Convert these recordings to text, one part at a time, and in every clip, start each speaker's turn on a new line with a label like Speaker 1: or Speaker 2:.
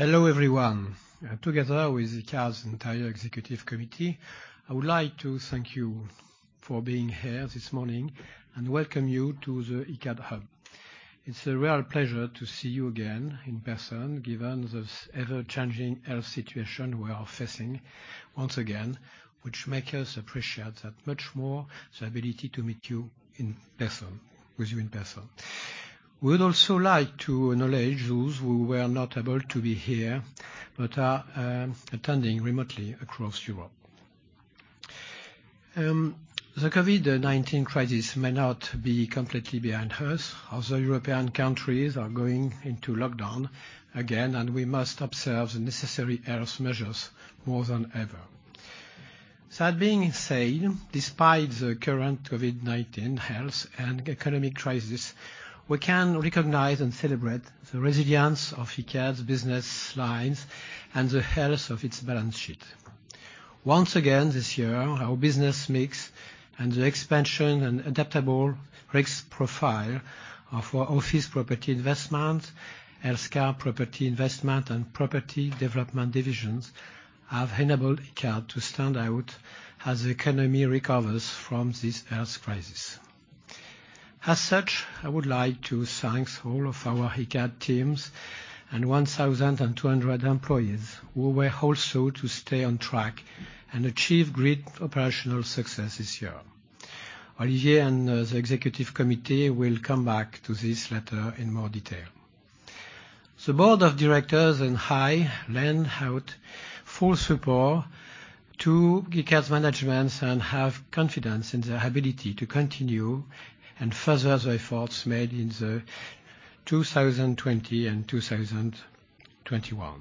Speaker 1: Hello, everyone. Together with Icade's entire executive committee, I would like to thank you for being here this morning and welcome you to the Icade Hub. It's a real pleasure to see you again in person given this ever-changing health situation we are facing once again, which make us appreciate that much more the ability to meet you in person, with you in person. We would also like to acknowledge those who were not able to be here, but are attending remotely across Europe. The COVID-19 crisis may not be completely behind us, other European countries are going into lockdown again, and we must observe the necessary health measures more than ever. That being said, despite the current COVID-19 health and economic crisis, we can recognize and celebrate the resilience of Icade's business lines and the health of its balance sheet. Once again, this year, our business mix and the expansion and adaptable risk profile of our office property investment, healthcare property investment, and property development divisions have enabled Icade to stand out as the economy recovers from this health crisis. As such, I would like to thank all of our Icade teams and 1,200 employees who were able to stay on track and achieve great operational success this year. Olivier and the Executive Committee will come back to this later in more detail. The board of directors and I lend our full support to Icade's management and have confidence in their ability to continue and further the efforts made in 2020 and 2021.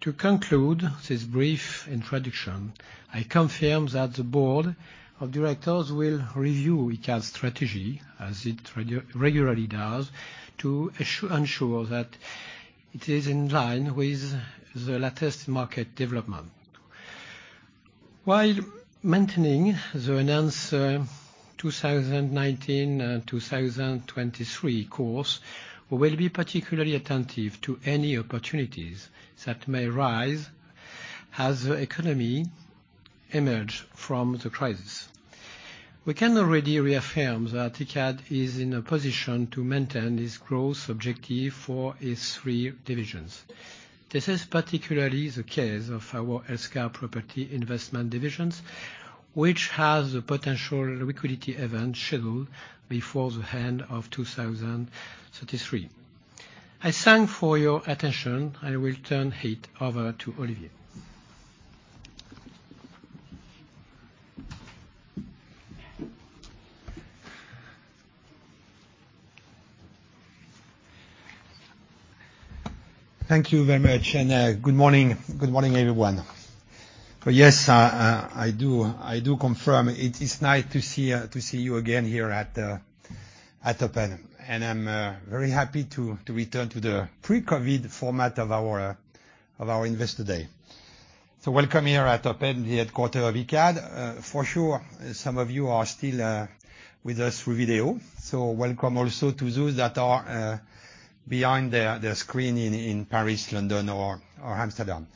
Speaker 1: To conclude this brief introduction, I confirm that the board of directors will review Icade's strategy, as it regularly does, to ensure that it is in line with the latest market development. While maintaining the enhanced 2019 and 2023 course, we will be particularly attentive to any opportunities that may arise as the economy emerges from the crisis. We can already reaffirm that Icade is in a position to maintain its growth objective for its three divisions. This is particularly the case of our healthcare property investment divisions, which has the potential liquidity event scheduled before the end of 2033. I thank you for your attention. I will turn it over to Olivier.
Speaker 2: Thank you very much, and good morning. Good morning, everyone. Yes, I do confirm it is nice to see you again here at Open. I'm very happy to return to the pre-COVID format of our Investor Day. Welcome here at Open, the headquarters of Icade. For sure, some of you are still with us through video, so welcome also to those that are behind their screen in Paris, London or Amsterdam.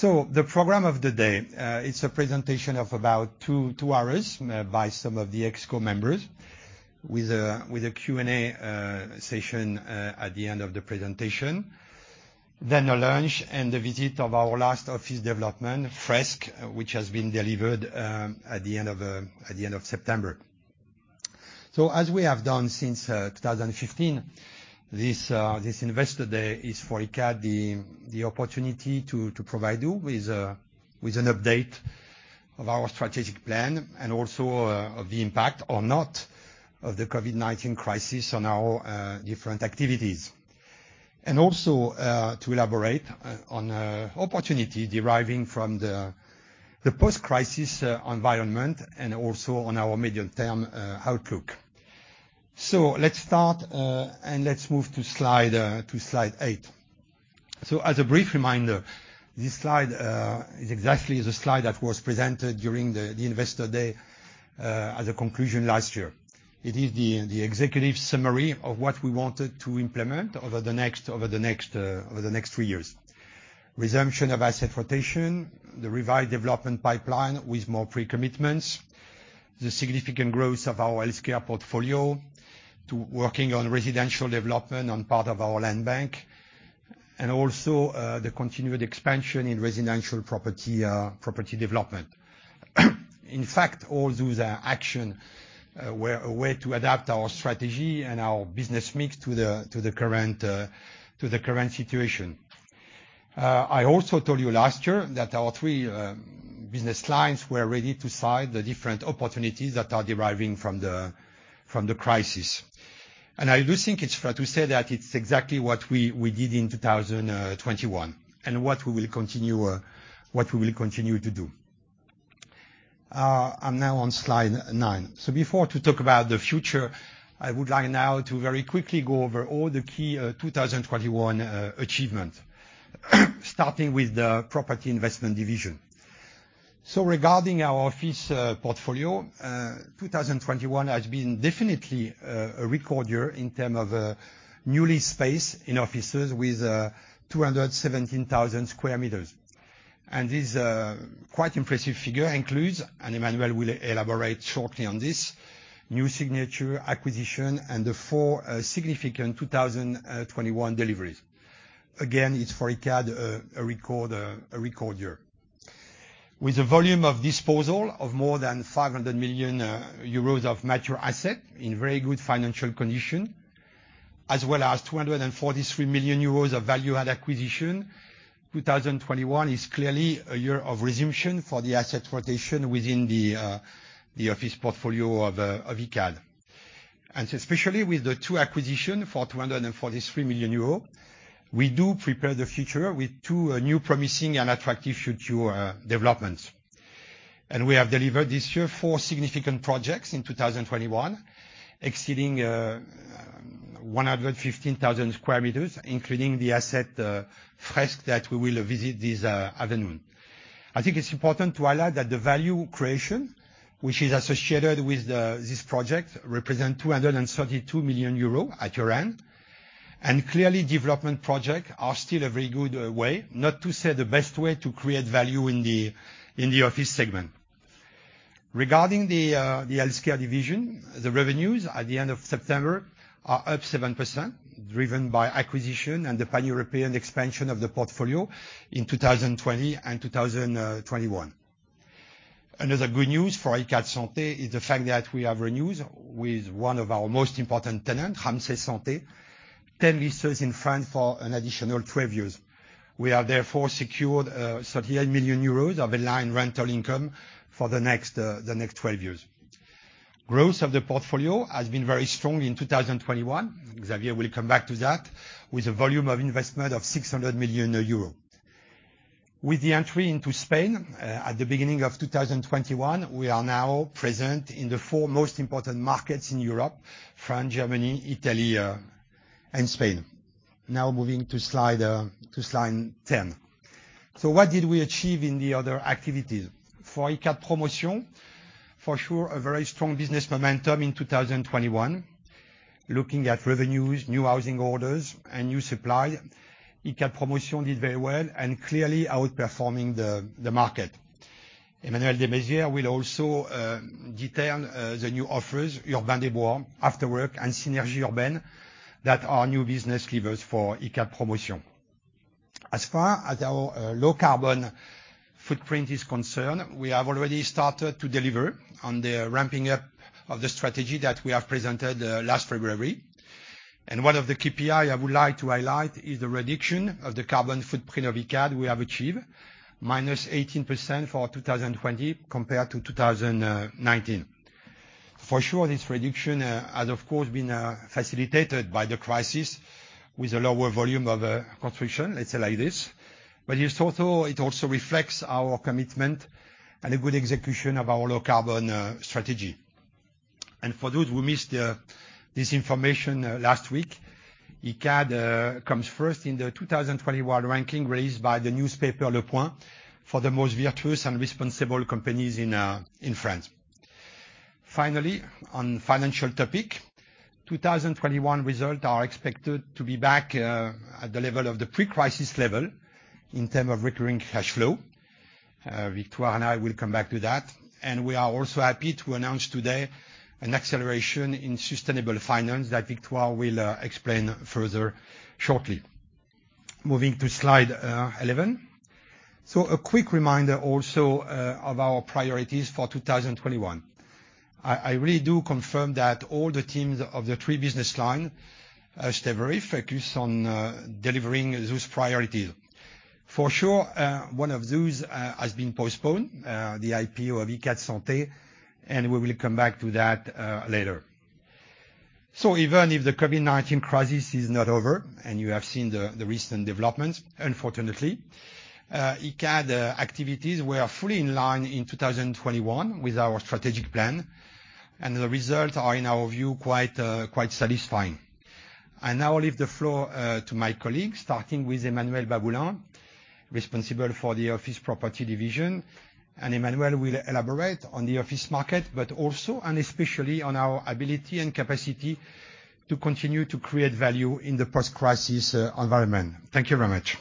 Speaker 2: The program of the day, it's a presentation of about two hours by some of the ExCo members with a Q&A session at the end of the presentation. A lunch and the visit of our last office development, Fresk, which has been delivered at the end of September. As we have done since 2015, this Investor Day is for Icade the opportunity to provide you with an update of our strategic plan and also of the impact or not of the COVID-19 crisis on our different activities. Also to elaborate on opportunity deriving from the post-crisis environment and also on our medium-term outlook. Let's start and let's move to slide eight. As a brief reminder, this slide is exactly the slide that was presented during the Investor Day at the conclusion last year. It is the executive summary of what we wanted to implement over the next three years. Resumption of asset rotation, the revised development pipeline with more pre-commitments, the significant growth of our healthcare portfolio, to working on residential development on part of our land bank, and also, the continued expansion in residential property development. In fact, all those actions were a way to adapt our strategy and our business mix to the current situation. I also told you last year that our three business lines were ready to seize the different opportunities that are deriving from the crisis. I do think it's fair to say that it's exactly what we did in 2021, and what we will continue to do. I'm now on slide nine. Before to talk about the future, I would like now to very quickly go over all the key 2021 achievement, starting with the property investment division. Regarding our office portfolio, 2021 has been definitely a record year in term of new lease space in offices with 217,000 sq m. This quite impressive figure includes, and Emmanuel will elaborate shortly on this, new signature acquisition and the four significant 2021 deliveries. Again, it's for Icade a record year. With a volume of disposal of more than 500 million euros of mature asset in very good financial condition, as well as 243 million euros of value add acquisition, 2021 is clearly a year of resumption for the asset rotation within the office portfolio of Icade. Especially with the two acquisition for 243 million euros, we do prepare the future with two new promising and attractive future developments. We have delivered this year four significant projects in 2021, exceeding 115,000 sq m, including the asset Fresk that we will visit this afternoon. I think it's important to highlight that the value creation, which is associated with this project, represent 232 million euros at year-end. Clearly, development projects are still a very good way, not to say the best way, to create value in the office segment. Regarding the healthcare division, the revenues at the end of September are up 7%, driven by acquisitions and the pan-European expansion of the portfolio in 2020 and 2021. Another good news for Icade Santé is the fact that we have renewed with one of our most important tenants, Ramsay Santé, 10 leases in France for an additional 12 years. We have therefore secured 38 million euros of in-line rental income for the next 12 years. Growth of the portfolio has been very strong in 2021. Xavier will come back to that, with a volume of investment of 600 million euro. With the entry into Spain at the beginning of 2021, we are now present in the four most important markets in Europe: France, Germany, Italy, and Spain. Now moving to slide ten. What did we achieve in the other activities? For Icade Promotion, for sure, a very strong business momentum in 2021. Looking at revenues, new housing orders, and new supply, Icade Promotion did very well, and clearly outperforming the market. Emmanuel Desmaizières will also detail the new offers, Urbain des Bois, AfterWork, and Synergies Urbaines, that are new business levers for Icade Promotion. As far as our low carbon footprint is concerned, we have already started to deliver on the ramping up of the strategy that we have presented last February. One of the KPI I would like to highlight is the reduction of the carbon footprint of Icade we have achieved, -18% for 2020 compared to 2019. For sure, this reduction has of course been facilitated by the crisis with a lower volume of construction, let's say like this. It also reflects our commitment and the good execution of our low carbon strategy. For those who missed this information last week, Icade comes first in the 2020 world ranking released by the newspaper Le Point for the most virtuous and responsible companies in France. Finally, on financial topic, 2021 results are expected to be back at the level of the pre-crisis level in terms of recurring cash flow. Victoire and I will come back to that. We are also happy to announce today an acceleration in sustainable finance that Victoire will explain further shortly. Moving to slide 11. A quick reminder also of our priorities for 2021. I really do confirm that all the teams of the three business lines stay very focused on delivering those priorities. For sure, one of those has been postponed, the IPO of Icade Santé, and we will come back to that later. Even if the COVID-19 crisis is not over, and you have seen the recent developments, unfortunately, Icade activities were fully in line in 2021 with our strategic plan, and the results are, in our view, quite satisfying. I now leave the floor to my colleagues, starting with Emmanuelle Baboulin, responsible for the office property division. Emmanuelle will elaborate on the office market, but also and especially on our ability and capacity to continue to create value in the post-crisis environment. Thank you very much.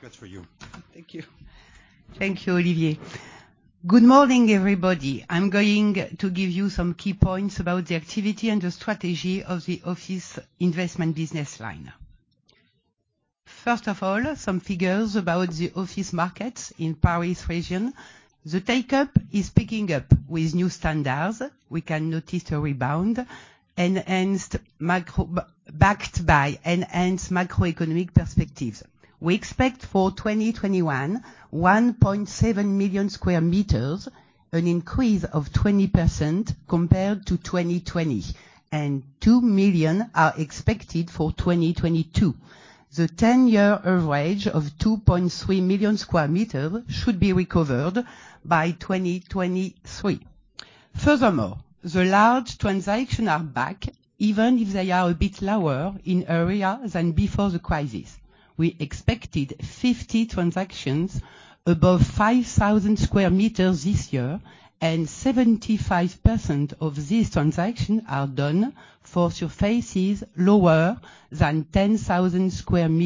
Speaker 2: That's for you.
Speaker 3: Thank you. Thank you, Olivier. Good morning, everybody. I'm going to give you some key points about the activity and the strategy of the office investment business line. First of all, some figures about the office markets in Paris region. The take-up is picking up with new standards. We can notice a rebound backed by enhanced macroeconomic perspectives. We expect for 2021, 1.7 million sq m, an increase of 20% compared to 2020, and two million are expected for 2022. The 10-year average of 2.3 million sq m should be recovered by 2023. Furthermore, the large transaction are back, even if they are a bit lower in area than before the crisis. We expected 50 transactions above 5,000 sq m this year, and 75% of these transactions are done for surfaces lower than 10,000 sq m.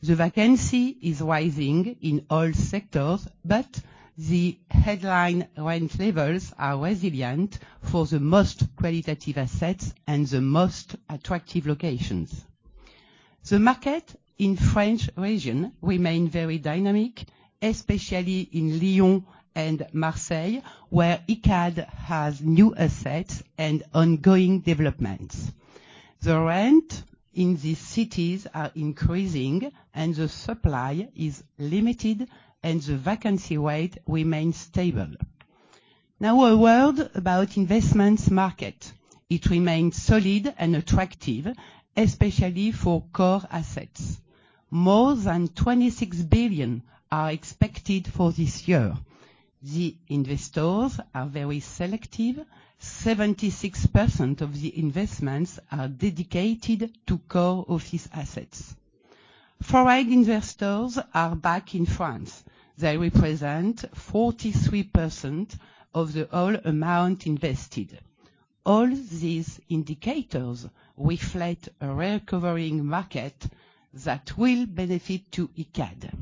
Speaker 3: The vacancy is rising in all sectors, but the headline rent levels are resilient for the most qualitative assets and the most attractive locations. The market in French regions remain very dynamic, especially in Lyon and Marseille, where Icade has new assets and ongoing developments. The rent in these cities are increasing and the supply is limited, and the vacancy rate remains stable. Now a word about investment market. It remains solid and attractive, especially for core assets. More than 26 billion are expected for this year. The investors are very selective. 76% of the investments are dedicated to core office assets. Foreign investors are back in France. They represent 43% of the whole amount invested. All these indicators reflect a recovering market that will benefit Icade.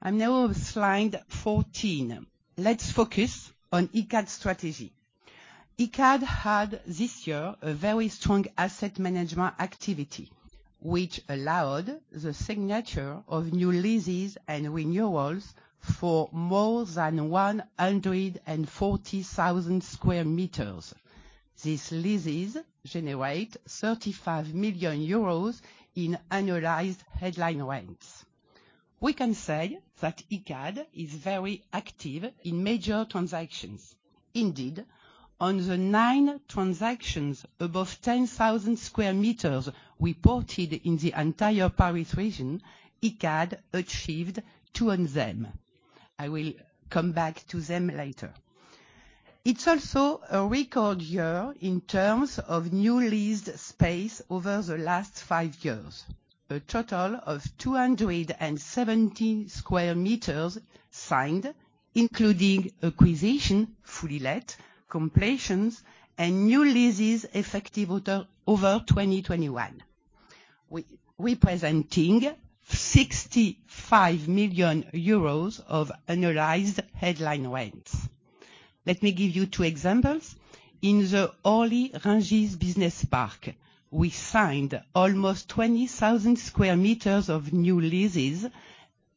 Speaker 3: I'm now on slide 14. Let's focus on Icade strategy. Icade had this year a very strong asset management activity, which allowed the signature of new leases and renewals for more than 140,000 sq m. These leases generate 35 million euros in annualized headline rents. We can say that Icade is very active in major transactions. Indeed, on the nine transactions above 10,000 sq m reported in the entire Paris region, Icade achieved two of them. I will come back to them later. It's also a record year in terms of new leased space over the last five years. A total of 270 sq m signed, including acquisition, fully let, completions, and new leases effective over 2021, representing 65 million euros of annualized headline rents. Let me give you two examples. In the Orly Rungis business park, we signed almost 20,000 sq m of new leases.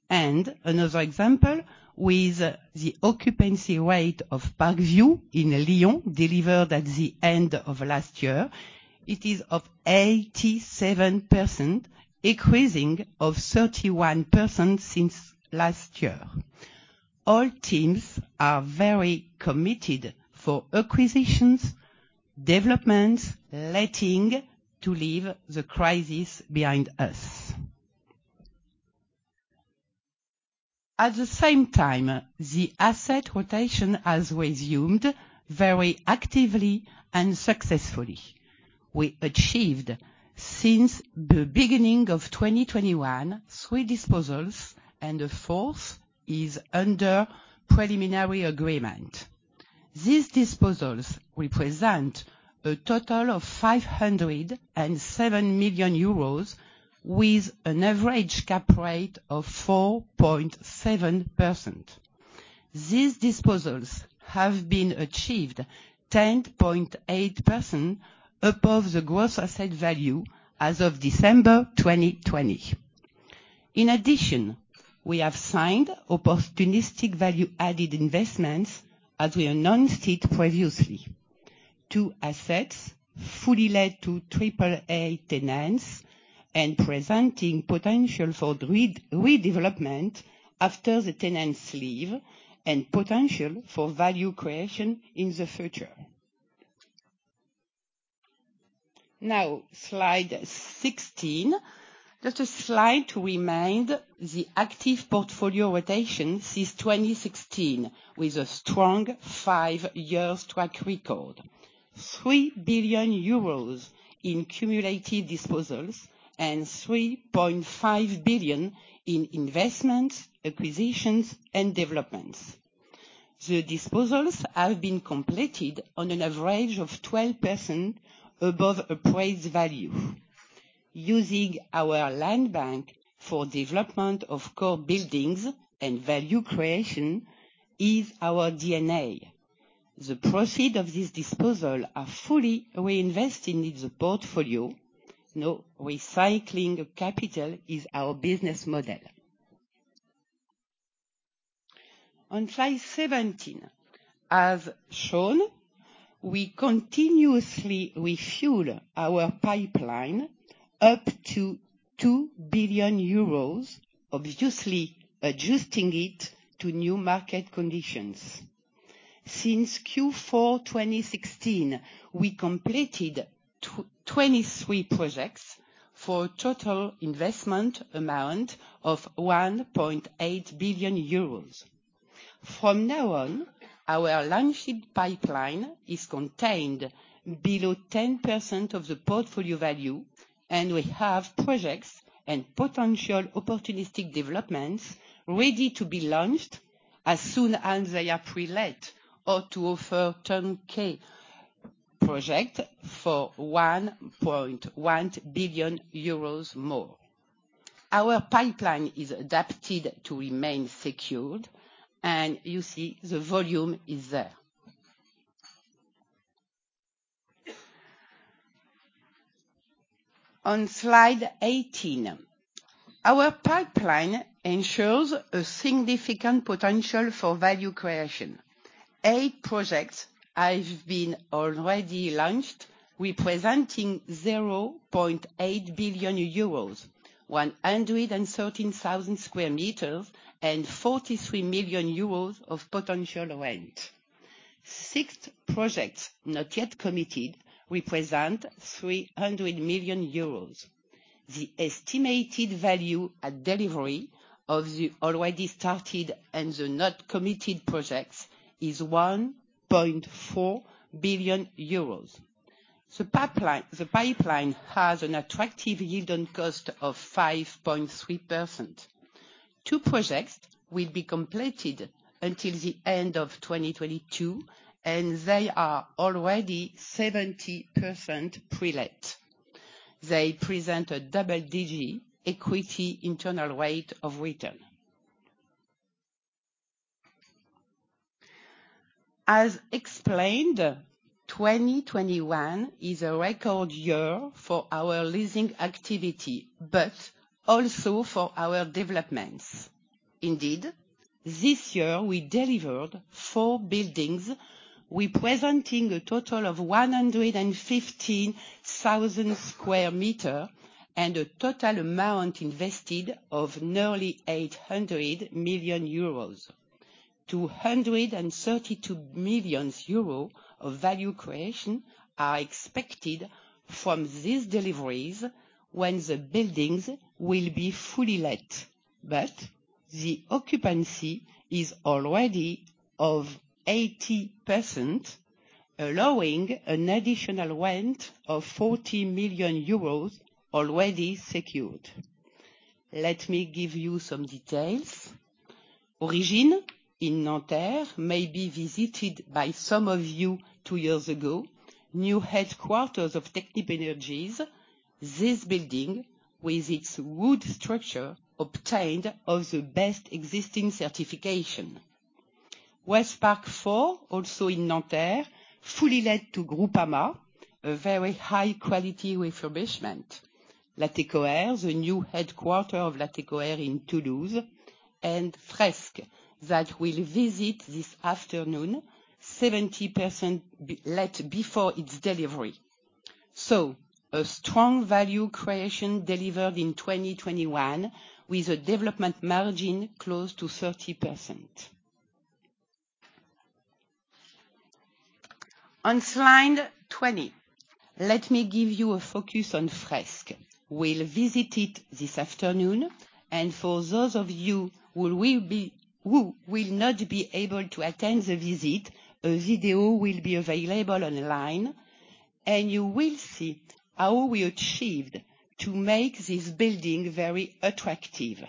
Speaker 3: Another example, with the occupancy rate of ParkView in Lyon, delivered at the end of last year, it is of 87%, increasing of 31% since last year. All teams are very committed for acquisitions, developments, letting to leave the crisis behind us. At the same time, the asset rotation has resumed very actively and successfully. We achieved, since the beginning of 2021, three disposals and a fourth is under preliminary agreement. These disposals represent a total of 507 million euros with an average cap rate of 4.7%. These disposals have been achieved 10.8% above the gross asset value as of December 2020. In addition, we have signed opportunistic value-added investments as we announced it previously. Two assets fully let to triple-A tenants and presenting potential for redevelopment after the tenants leave and potential for value creation in the future. Now slide 16. Just a slide to remind the active portfolio rotation since 2016, with a strong five year track record. 3 billion euros in cumulative disposals and 3.5 billion in investments, acquisitions, and developments. The disposals have been completed on an average of 12% above appraised value. Using our land bank for development of core buildings and value creation is our DNA. The proceeds of this disposal are fully reinvested in the portfolio. Recycling capital is our business model. On slide 17, as shown, we continuously refuel our pipeline up to 2 billion euros, obviously adjusting it to new market conditions. Since Q4 2016, we completed 23 projects for total investment amount of 1.8 billion euros. From now on, our launched pipeline is contained below 10% of the portfolio value, and we have projects and potential opportunistic developments ready to be launched as soon as they are pre-let or to offer turnkey project for 1.1 billion euros more. Our pipeline is adapted to remain secure, and you see the volume is there. On slide 18, our pipeline ensures a significant potential for value creation. Eight projects have been already launched, representing 0.8 billion euros, 113,000 sq m, and 43 million euros of potential rent. Six projects not yet committed represent 300 million euros. The estimated value at delivery of the already started and the not committed projects is 1.4 billion euros. The pipeline has an attractive yield on cost of 5.3%. Two projects will be completed until the end of 2022, and they are already 70% pre-let. They present a double-digit equity internal rate of return. As explained, 2021 is a record year for our leasing activity, but also for our developments. Indeed, this year we delivered four buildings representing a total of 115,000 sq m and a total amount invested of nearly 800 million euros. 232 million euros of value creation are expected from these deliveries when the buildings will be fully let. The occupancy is already 80%, allowing an additional rent of 40 million euros already secured. Let me give you some details. Origine in Nanterre may be visited by some of you two years ago, new headquarters of Technip Energies. This building, with its wood structure, obtained one of the best existing certification. West Park 4, also in Nanterre, fully let to Groupama, a very high quality refurbishment. Latécoère, the new headquarters of Latécoère in Toulouse, and Fresk, that we'll visit this afternoon, 70% pre-let before its delivery. A strong value creation delivered in 2021, with a development margin close to 30%. On slide 20, let me give you a focus on Fresk. We'll visit it this afternoon, and for those of you who will not be able to attend the visit, a video will be available online, and you will see how we achieved to make this building very attractive.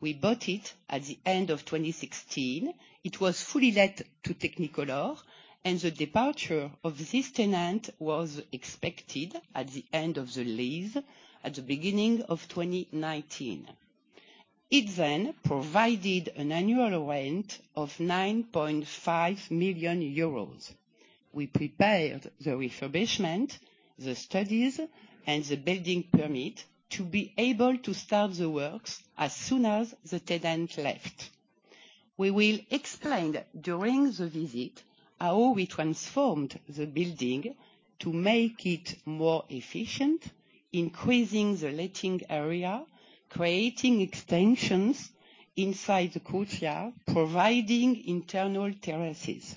Speaker 3: We bought it at the end of 2016. It was fully let to Technicolor, and the departure of this tenant was expected at the end of the lease at the beginning of 2019. It then provided an annual rent of 9.5 million euros. We prepared the refurbishment, the studies, and the building permit to be able to start the works as soon as the tenant left. We will explain during the visit how we transformed the building to make it more efficient, increasing the letting area, creating extensions inside the courtyard, providing internal terraces.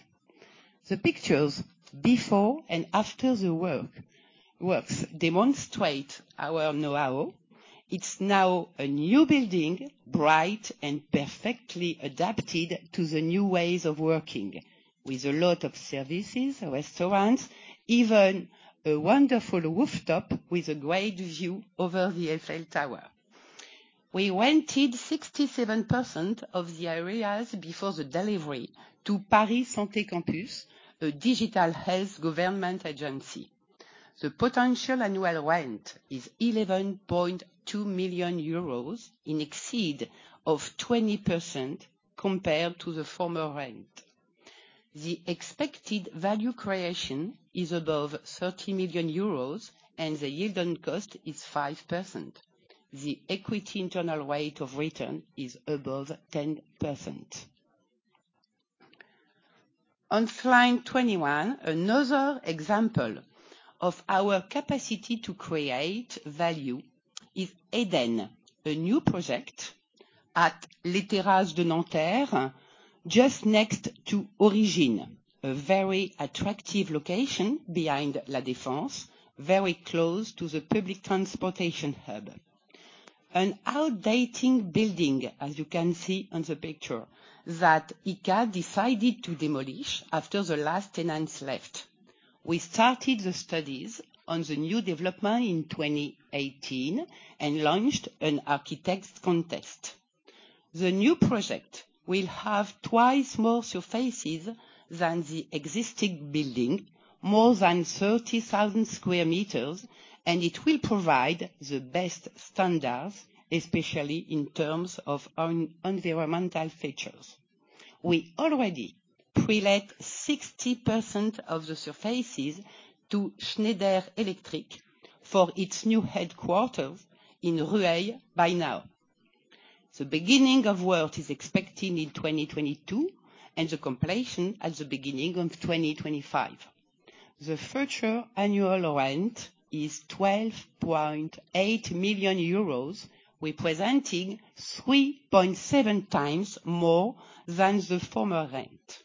Speaker 3: The pictures before and after the work demonstrate our know-how. It's now a new building, bright and perfectly adapted to the new ways of working, with a lot of services, restaurants, even a wonderful rooftop with a great view over the Eiffel Tower. We rented 67% of the areas before the delivery to PariSanté Campus, a digital health government agency. The potential annual rent is 11.2 million euros, in excess of 20% compared to the former rent. The expected value creation is above 30 million euros, and the yield on cost is 5%. The equity internal rate of return is above 10%. On slide 21, another example of our capacity to create value is Edenn, a new project at Les Terrasses de Nanterre, just next to Origine, a very attractive location behind La Défense, very close to the public transportation hub. An outdated building, as you can see on the picture, that Icade decided to demolish after the last tenants left. We started the studies on the new development in 2018, and launched an architect contest. The new project will have twice more surfaces than the existing building, more than 30,000 sq m, and it will provide the best standards, especially in terms of environmental features. We already pre-let 60% of the surfaces to Schneider Electric for its new headquarters in Rueil by now. The beginning of work is expected in 2022, and the completion at the beginning of 2025. The future annual rent is 12.8 million euros, representing 3.7 times more than the former rent.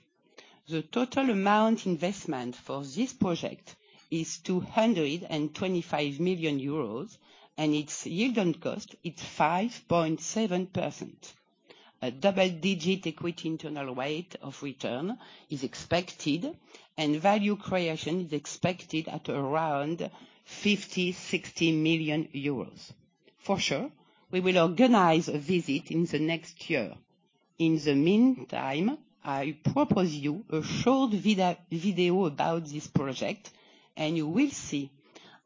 Speaker 3: The total amount investment for this project is 225 million euros, and its yield on cost is 5.7%. A double-digit equity internal rate of return is expected, and value creation is expected at around 50 million euros -60 million euros. For sure, we will organize a visit in the next year. In the meantime, I propose you a short video about this project, and you will see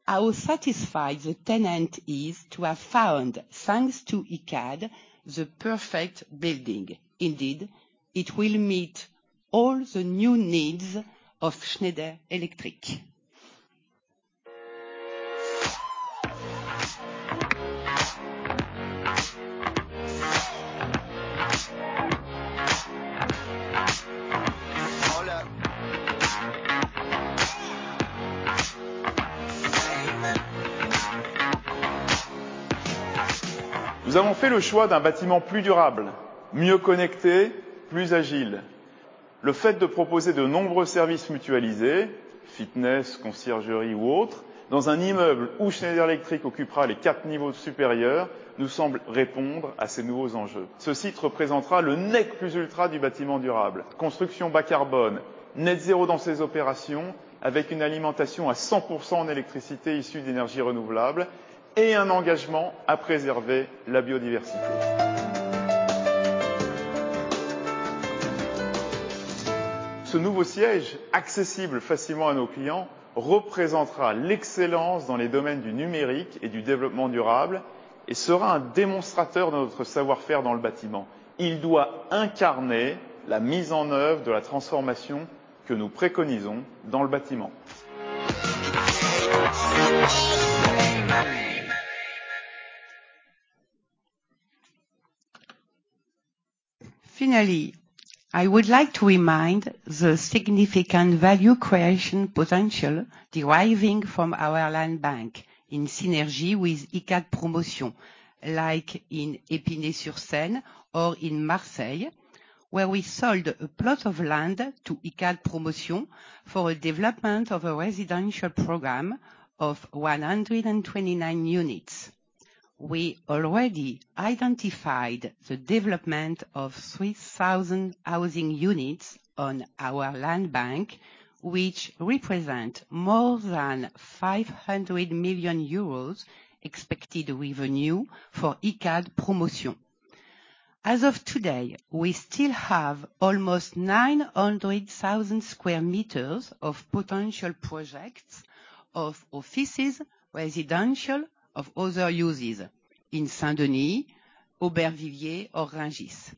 Speaker 3: how satisfied the tenant is to have found, thanks to Icade, the perfect building. Indeed, it will meet all the new needs of Schneider Electric. Finally, I would like to remind the significant value creation potential deriving from our land bank in synergy with Icade Promotion, like in Épinay-sur-Seine or in Marseille, where we sold a plot of land to Icade Promotion for development of a residential program of 129 units. We already identified the development of 3,000 housing units on our land bank, which represent more than 500 million euros expected revenue for Icade Promotion. As of today, we still have almost 900,000 sq m of potential projects of offices, residential, of other uses in Saint-Denis, Aubervilliers or Rungis.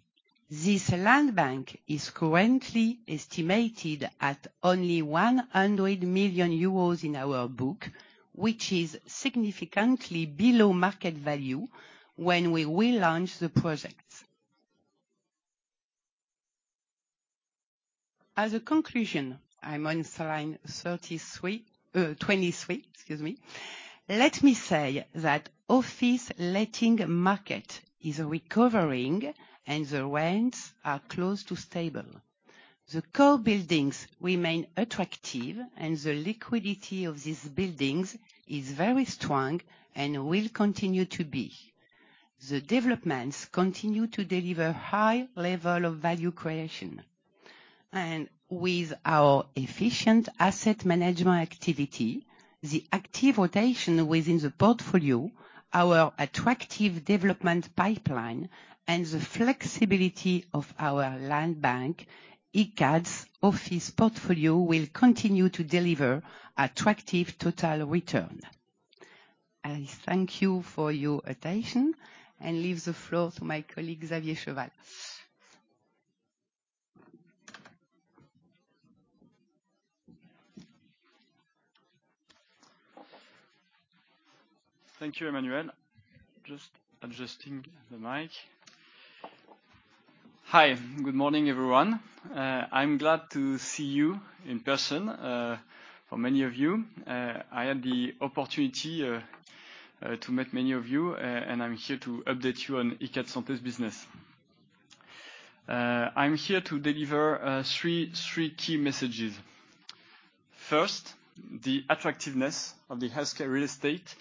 Speaker 3: This land bank is currently estimated at only 100 million euros in our book, which is significantly below market value when we will launch the projects. As a conclusion, I'm on slide 23. Let me say that office letting market is recovering and the rents are close to stable. The core buildings remain attractive, and the liquidity of these buildings is very strong and will continue to be. The developments continue to deliver high level of value creation. With our efficient asset management activity, the active rotation within the portfolio, our attractive development pipeline, and the flexibility of our land bank, Icade's office portfolio will continue to deliver attractive total return. I thank you for your attention and leave the floor to my colleague, Xavier Cheval.
Speaker 4: Thank you, Emmanuelle. Just adjusting the mic. Hi, good morning, everyone. I'm glad to see you in person for many of you. I had the opportunity to meet many of you, and I'm here to update you on Icade Santé's business. I'm here to deliver three key messages. First, the attractiveness of the healthcare real estate is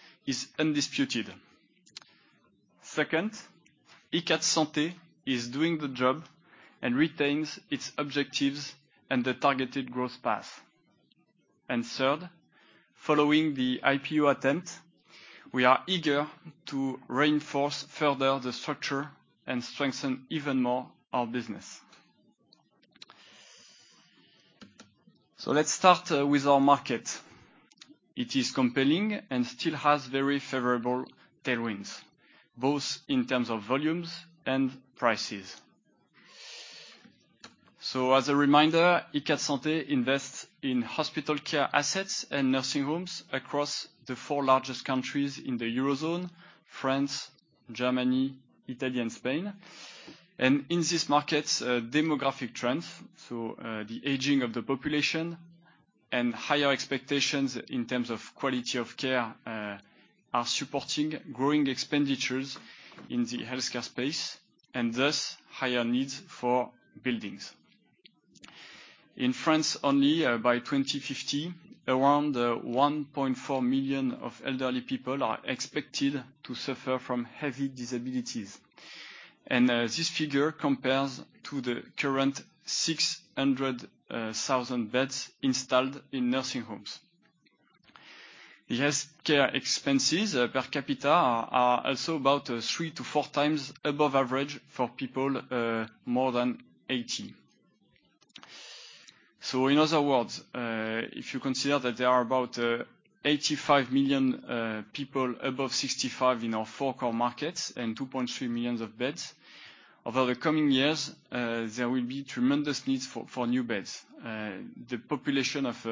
Speaker 4: undisputed. Second, Icade Santé is doing the job and retains its objectives and the targeted growth path. Third, following the IPO attempt, we are eager to reinforce further the structure and strengthen even more our business. Let's start with our market. It is compelling and still has very favorable tailwinds, both in terms of volumes and prices. As a reminder, Icade Santé invests in hospital care assets and nursing homes across the four largest countries in the Eurozone, France, Germany, Italy, and Spain. In these markets, demographic trends, the aging of the population and higher expectations in terms of quality of care, are supporting growing expenditures in the healthcare space and thus higher needs for buildings. In France only, by 2050, around 1.4 million elderly people are expected to suffer from heavy disabilities. This figure compares to the current 600,000 beds installed in nursing homes. The healthcare expenses per capita are also about three to four times above average for people more than 80. In other words, if you consider that there are about 85 million people above 65 in our four core markets and 2.3 million beds, over the coming years, there will be tremendous needs for new beds. The population of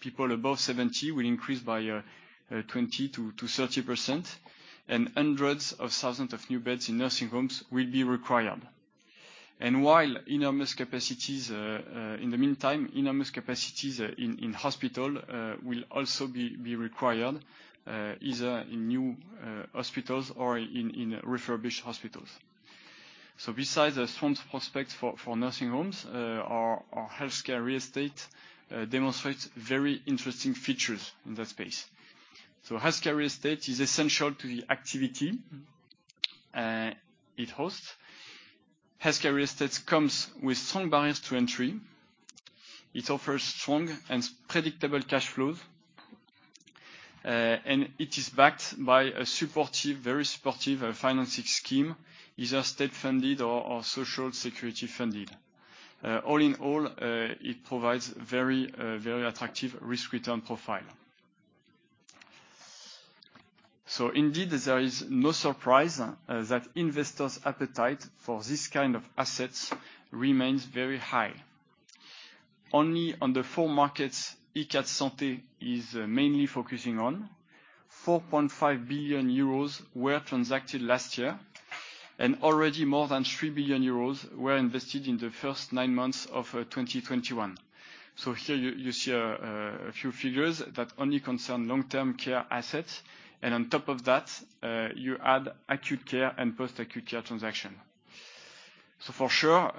Speaker 4: people above 70 will increase by 20%-30%, and hundreds of thousands of new beds in nursing homes will be required. While enormous capacities in hospitals will also be required, either in new hospitals or in refurbished hospitals. Besides the strong prospects for nursing homes, our healthcare real estate demonstrates very interesting features in that space. Healthcare real estate is essential to the activity it hosts. Healthcare real estate comes with strong barriers to entry. It offers strong and predictable cash flows. It is backed by a supportive, very supportive financing scheme, either state-funded or Social Security-funded. All in all, it provides very attractive risk-return profile. Indeed, there is no surprise that investors' appetite for this kind of assets remains very high. Only on the four markets Icade Santé is mainly focusing on, 4.5 billion euros were transacted last year, and already more than 3 billion euros were invested in the first nine months of 2021. Here you see a few figures that only concern long-term care assets, and on top of that, you add acute care and post-acute care transaction. For sure,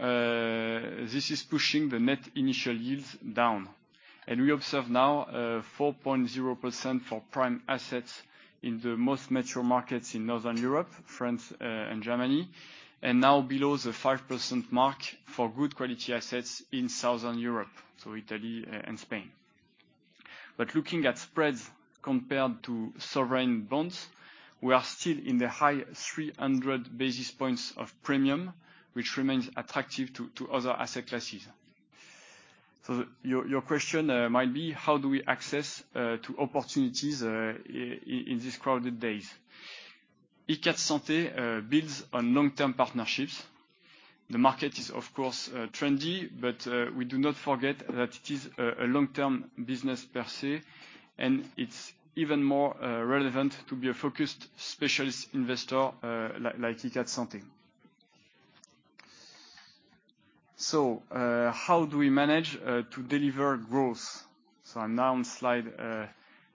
Speaker 4: this is pushing the net initial yields down. We observe now 4.0% for prime assets in the most metro markets in Northern Europe, France, and Germany, and now below the 5% mark for good quality assets in Southern Europe, so Italy and Spain. Looking at spreads compared to sovereign bonds, we are still in the high 300 basis points of premium, which remains attractive to other asset classes. Your question might be, how do we access to opportunities in these crowded days? Icade Santé builds on long-term partnerships. The market is, of course, trendy, but we do not forget that it is a long-term business per se, and it's even more relevant to be a focused specialist investor like Icade Santé. How do we manage to deliver growth? I'm now on slide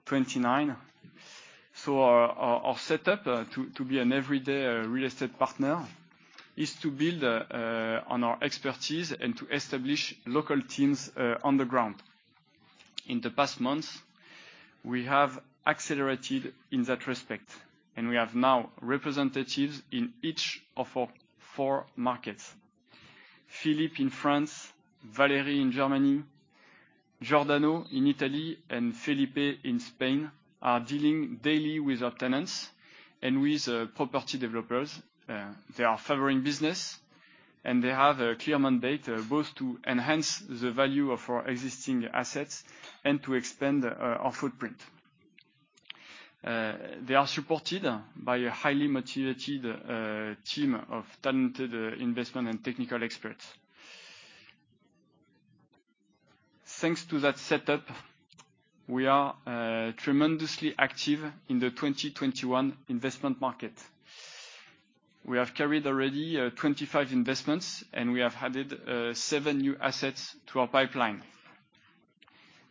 Speaker 4: 29. Our setup to be an everyday real estate partner is to build on our expertise and to establish local teams on the ground. In the past months, we have accelerated in that respect, and we have now representatives in each of our four markets. Philippe in France, Valérie in Germany, Giordano in Italy, and Felipe in Spain are dealing daily with our tenants and with property developers. They are fostering business, and they have a clear mandate both to enhance the value of our existing assets and to expand our footprint. They are supported by a highly motivated team of talented investment and technical experts. Thanks to that setup, we are tremendously active in the 2021 investment market. We have carried already 25 investments, and we have added seven new assets to our pipeline.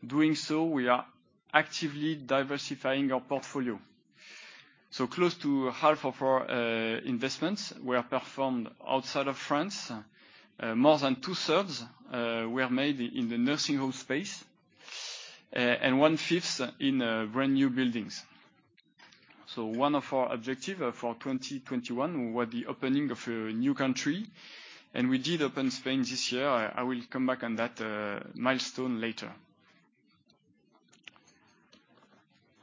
Speaker 4: Doing so, we are actively diversifying our portfolio. Close to half of our investments were performed outside of France. More than two-thirds were made in the nursing home space, and one-fifth in brand-new buildings. One of our objective for 2021 were the opening of a new country, and we did open Spain this year. I will come back on that milestone later.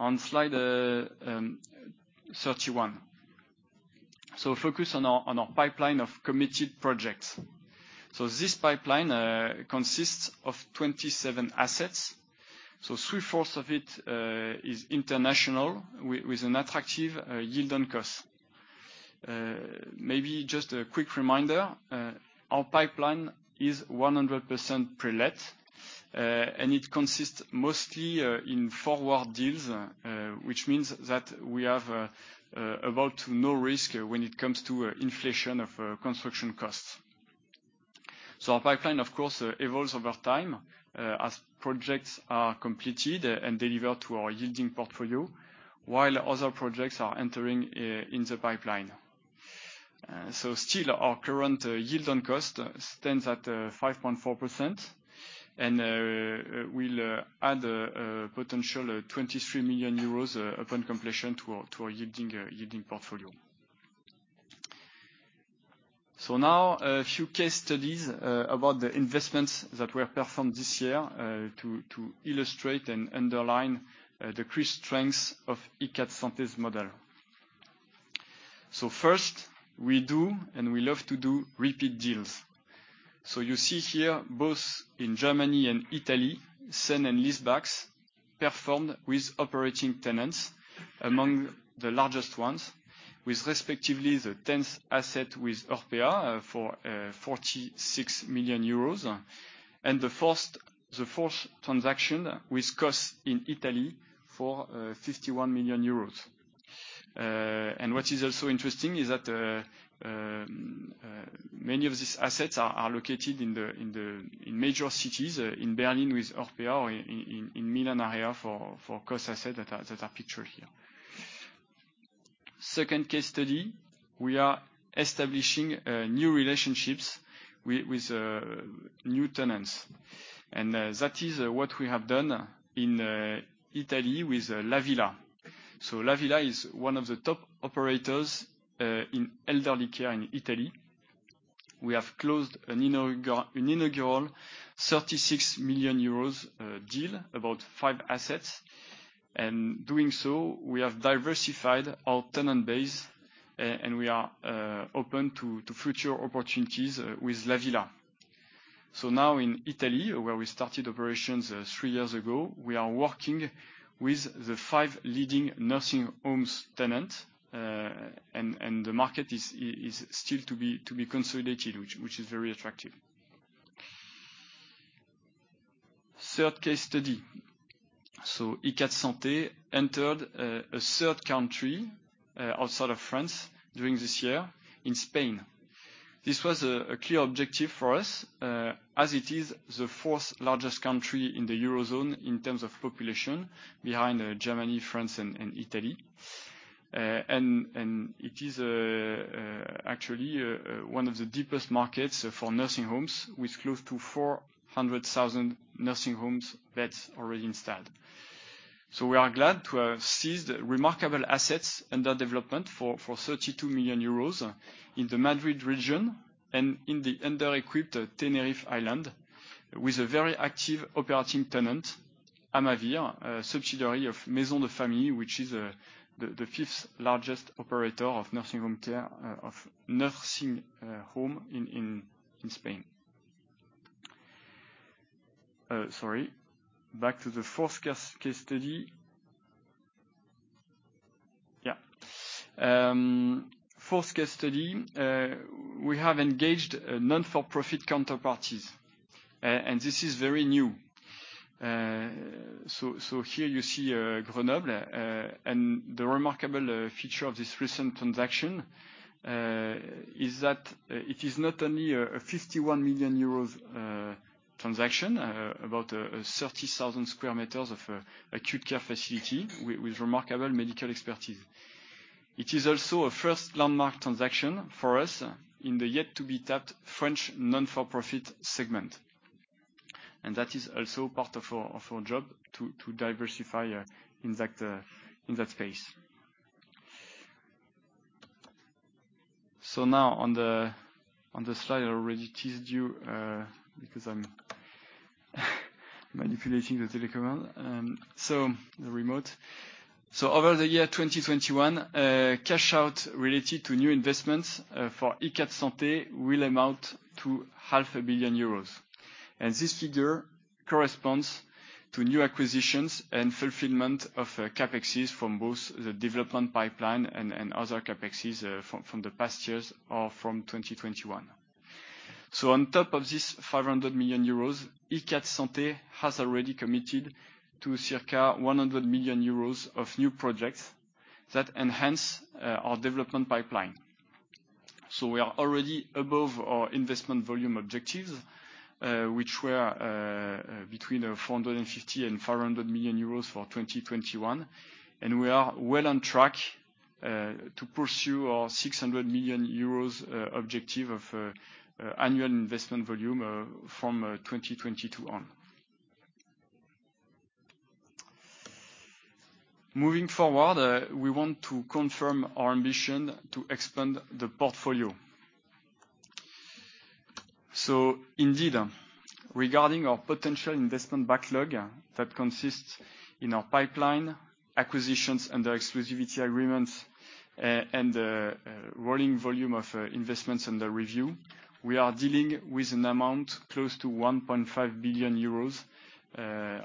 Speaker 4: On slide 31. Focus on our pipeline of committed projects. This pipeline consists of 27 assets. Three-fourths of it is international with an attractive yield on cost. Maybe just a quick reminder, our pipeline is 100% pre-let, and it consists mostly in forward deals, which means that we have about no risk when it comes to inflation of construction costs. Our pipeline, of course, evolves over time as projects are completed and delivered to our yielding portfolio, while other projects are entering in the pipeline. Still our current yield on cost stands at 5.4% and will add a potential 23 million euros upon completion to our yielding portfolio. Now a few case studies about the investments that were performed this year to illustrate and underline the increased strengths of Icade Santé's model. First, we do, and we love to do repeat deals. You see here, both in Germany and Italy, Sale and Leasebacks performed with operating tenants, among the largest ones, with respectively the tenth asset with Orpea for 46 million euros, and the fourth transaction with COSS in Italy for 51 million euros. What is also interesting is that many of these assets are located in major cities in Berlin with Orpea, in Milan area for COSS assets that are pictured here. Second case study, we are establishing new relationships with new tenants. That is what we have done in Italy with La Villa. La Villa is one of the top operators in elderly care in Italy. We have closed an inaugural 36 million euros deal, about five assets. Doing so, we have diversified our tenant base and we are open to future opportunities with La Villa. Now in Italy, where we started operations three years ago, we are working with the five leading nursing home tenants. The market is still to be consolidated, which is very attractive. Third case study. Icade Santé entered a third country outside of France during this year in Spain. This was a clear objective for us, as it is the fourth largest country in the Eurozone in terms of population behind Germany, France, and Italy. It is actually one of the deepest markets for nursing homes, with close to 400,000 nursing home beds already installed. We are glad to have seized remarkable assets under development for 32 million euros in the Madrid region and in the under-equipped Tenerife island, with a very active operating tenant, Amavir, a subsidiary of Maisons de Famille, which is the fifth largest operator of nursing home in Spain. Back to the fourth case study. Fourth case study, we have engaged not-for-profit counterparties. This is very new. Here you see Grenoble and the remarkable feature of this recent transaction is that it is not only a 51 million euros transaction about 30,000 sq m of acute care facility with remarkable medical expertise. It is also a first landmark transaction for us in the yet to be tapped French non-for-profit segment. That is also part of our job to diversify in that space. Now on the slide, I already teased you because I'm manipulating the remote. Over the year 2021, cash out related to new investments for Icade Santé will amount to 500 million euros. This figure corresponds to new acquisitions and fulfillment of CapExes from both the development pipeline and other CapExes from the past years or from 2021. On top of this 500 million euros, Icade Santé has already committed to circa 100 million euros of new projects that enhance our development pipeline. We are already above our investment volume objectives, which were between 450 million euros and 500 million euros for 2021, and we are well on track to pursue our 600 million euros objective of annual investment volume from 2022 on. Moving forward, we want to confirm our ambition to expand the portfolio. Indeed, regarding our potential investment backlog that consists in our pipeline, acquisitions under exclusivity agreements, and the rolling volume of investments under review, we are dealing with an amount close to 1.5 billion euros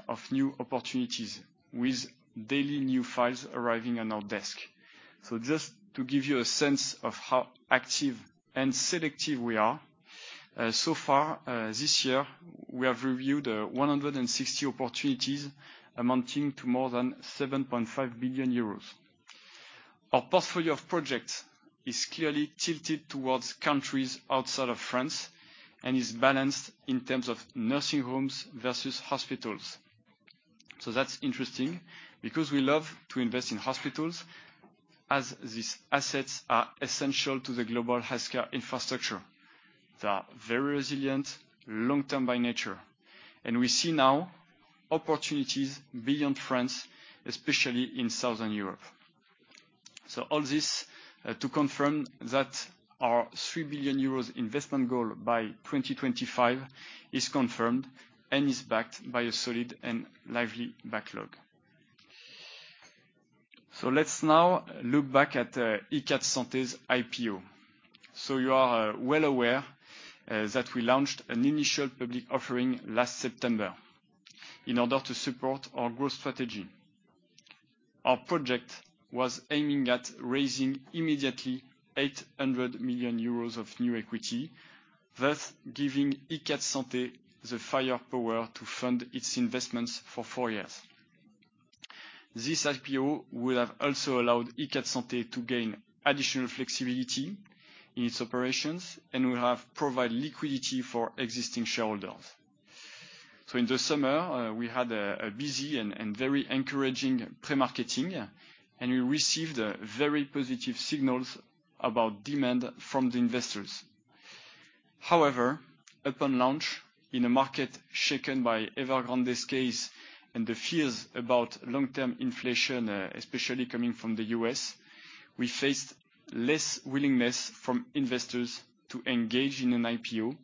Speaker 4: of new opportunities with daily new files arriving on our desk. Just to give you a sense of how active and selective we are, so far this year, we have reviewed 160 opportunities amounting to more than 7.5 billion euros. Our portfolio of projects is clearly tilted towards countries outside of France and is balanced in terms of nursing homes versus hospitals. That's interesting because we love to invest in hospitals as these assets are essential to the global healthcare infrastructure. They are very resilient, long-term by nature, and we see now opportunities beyond France, especially in Southern Europe. All this to confirm that our 3 billion euros investment goal by 2025 is confirmed and is backed by a solid and lively backlog. Let's now look back at Icade Santé's IPO. You are well aware that we launched an initial public offering last September in order to support our growth strategy. Our project was aiming at raising immediately 800 million euros of new equity, thus giving Icade Santé the firepower to fund its investments for four years. This IPO will have also allowed Icade Santé to gain additional flexibility in its operations and will have provide liquidity for existing shareholders. In the summer, we had a busy and very encouraging pre-marketing, and we received very positive signals about demand from the investors. However, upon launch, in a market shaken by Evergrande's case and the fears about long-term inflation, especially coming from the U.S., we faced less willingness from investors to engage in an IPO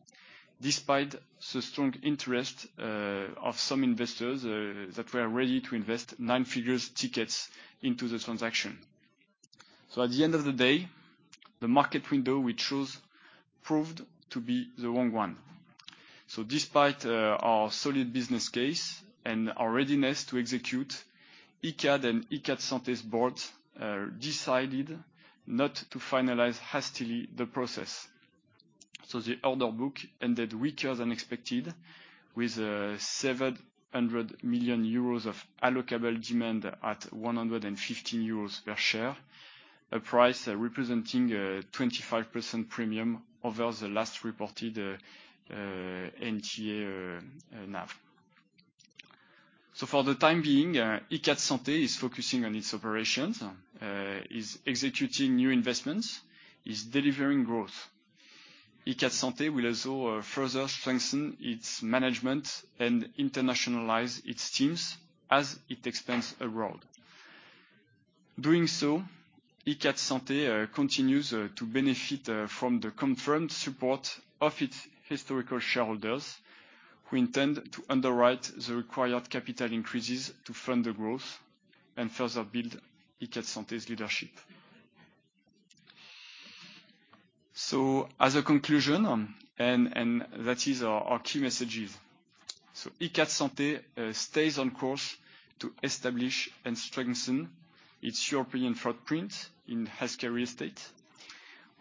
Speaker 4: despite the strong interest of some investors that were ready to invest nine figures tickets into the transaction. At the end of the day, the market window we chose proved to be the wrong one. Despite our solid business case and our readiness to execute, Icade and Icade Santé's Boards decided not to finalize hastily the process. The order book ended weaker than expected with 700 million euros of allocable demand at 115 euros per share. A price representing 25% premium over the last reported NTA NAV. For the time being, Icade Santé is focusing on its operations, is executing new investments, is delivering growth. Icade Santé will also further strengthen its management and internationalize its teams as it expands abroad. Doing so, Icade Santé continues to benefit from the confirmed support of its historical shareholders who intend to underwrite the required capital increases to fund the growth and further build Icade Santé's leadership. As a conclusion, and that is our key messages. Icade Santé stays on course to establish and strengthen its European footprint in healthcare real estate.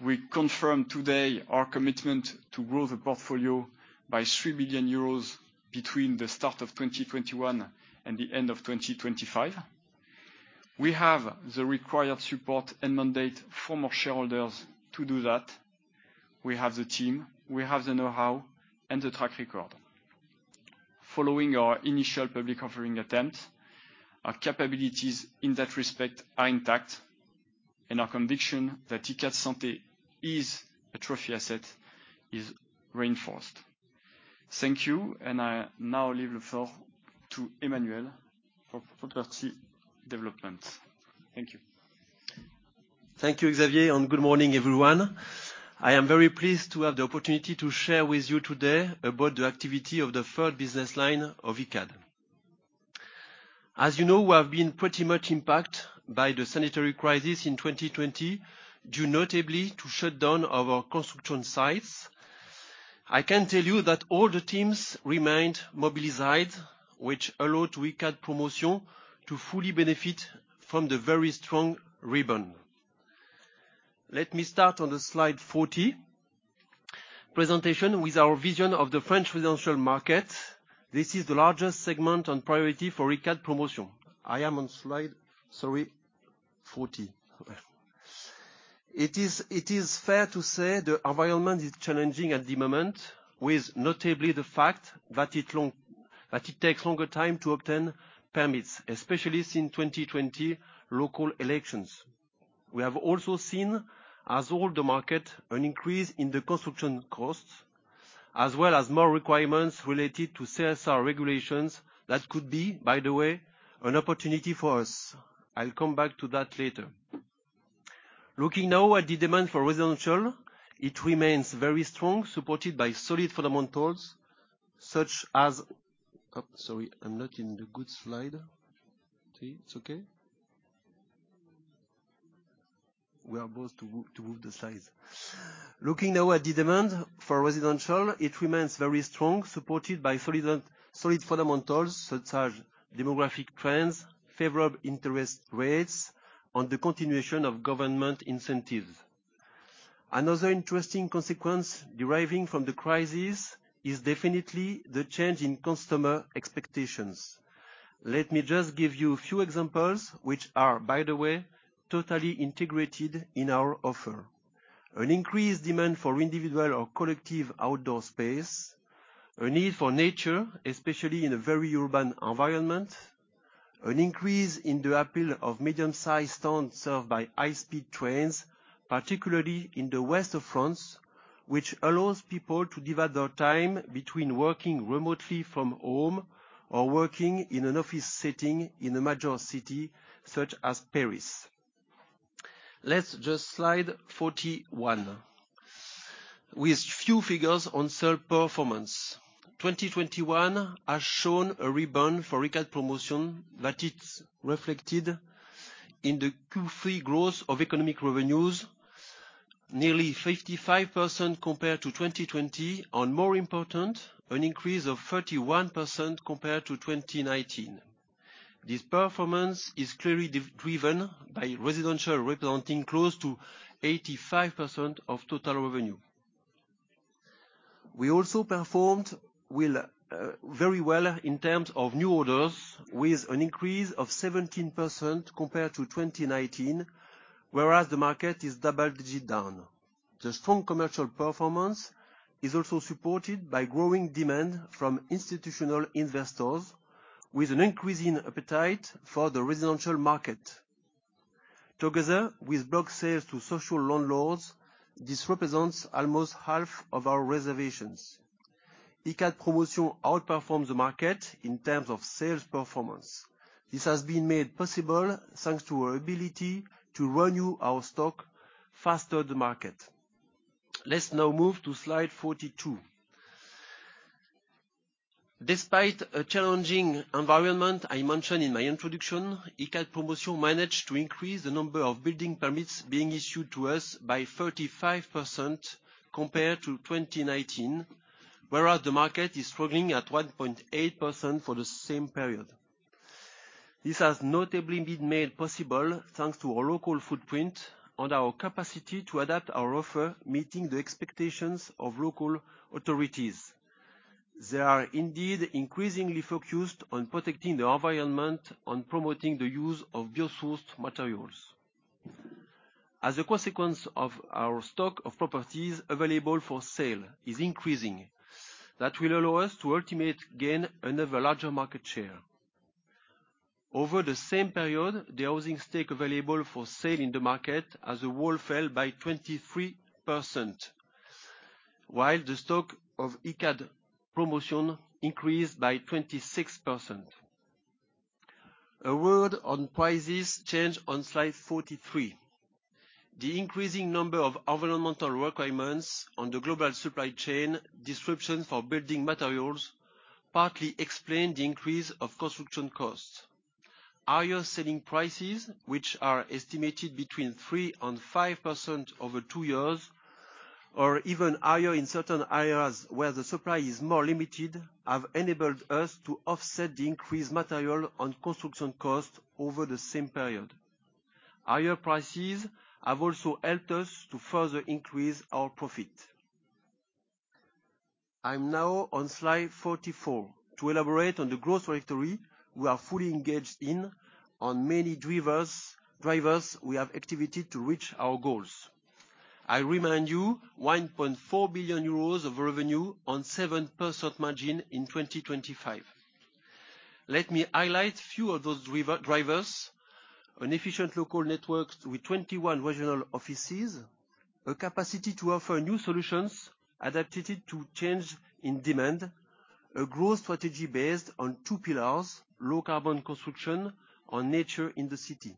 Speaker 4: We confirm today our commitment to grow the portfolio by 3 billion euros between the start of 2021 and the end of 2025. We have the required support and mandate from our shareholders to do that. We have the team, we have the know-how, and the track record. Following our initial public offering attempt, our capabilities in that respect are intact, and our conviction that Icade Santé is a trophy asset is reinforced. Thank you. I now leave the floor to Emmanuel for property development. Thank you.
Speaker 5: Thank you, Xavier, and good morning, everyone. I am very pleased to have the opportunity to share with you today about the activity of the third business line of Icade. As you know, we have been pretty much impacted by the sanitary crisis in 2020, due notably to shut down our construction sites. I can tell you that all the teams remained mobilized, which allowed Icade Promotion to fully benefit from the very strong rebound. Let me start on the slide 40 presentation with our vision of the French residential market. This is the largest segment on priority for Icade Promotion. I am on slide 40. It is fair to say the environment is challenging at the moment, with notably the fact that it takes longer time to obtain permits, especially since 2020 local elections. We have also seen, as all the market, an increase in the construction costs, as well as more requirements related to CSR regulations that could be, by the way, an opportunity for us. I'll come back to that later. Looking now at the demand for residential, it remains very strong, supported by solid fundamentals such as demographic trends, favorable interest rates, and the continuation of government incentives. Another interesting consequence deriving from the crisis is definitely the change in customer expectations. Let me just give you a few examples, which are, by the way, totally integrated in our offer. An increased demand for individual or collective outdoor space, a need for nature, especially in a very urban environment, an increase in the appeal of medium-sized towns served by high-speed trains, particularly in the west of France, which allows people to divide their time between working remotely from home or working in an office setting in a major city such as Paris. Let's just slide 41. With few figures on sales performance. 2021 has shown a rebound for Icade Promotion that's reflected in the Q3 growth of economic revenues, nearly 55% compared to 2020, and more important, an increase of 31% compared to 2019. This performance is clearly driven by residential, representing close to 85% of total revenue. We also performed well, very well in terms of new orders, with an increase of 17% compared to 2019, whereas the market is double-digit down. The strong commercial performance is also supported by growing demand from institutional investors with an increasing appetite for the residential market. Together with block sales to social landlords, this represents almost half of our reservations. Icade Promotion outperforms the market in terms of sales performance. This has been made possible thanks to our ability to renew our stock faster than the market. Let's now move to slide 42. Despite a challenging environment I mentioned in my introduction, Icade Promotion managed to increase the number of building permits being issued to us by 35% compared to 2019, whereas the market is struggling at 1.8% for the same period. This has notably been made possible thanks to our local footprint and our capacity to adapt our offer, meeting the expectations of local authorities. They are indeed increasingly focused on protecting the environment, on promoting the use of bio-sourced materials. As a consequence of our stock of properties available for sale is increasing. That will allow us to ultimately gain a larger market share. Over the same period, the housing stock available for sale in the market as a whole fell by 23%, while the stock of Icade Promotion increased by 26%. A word on price changes on slide 43. The increasing number of environmental requirements on the global supply chain, disruption for building materials, partly explain the increase of construction costs. Higher selling prices, which are estimated between 3% and 5% over two years or even higher in certain areas where the supply is more limited, have enabled us to offset the increased material and construction costs over the same period. Higher prices have also helped us to further increase our profit. I'm now on slide 44 to elaborate on the growth trajectory we are fully engaged in on many drivers we have activated to reach our goals. I remind you 1.4 billion euros of revenue on 7% margin in 2025. Let me highlight few of those drivers, an efficient local network with 21 regional offices, a capacity to offer new solutions adapted to change in demand, a growth strategy based on two pillars, low-carbon construction and nature in the city.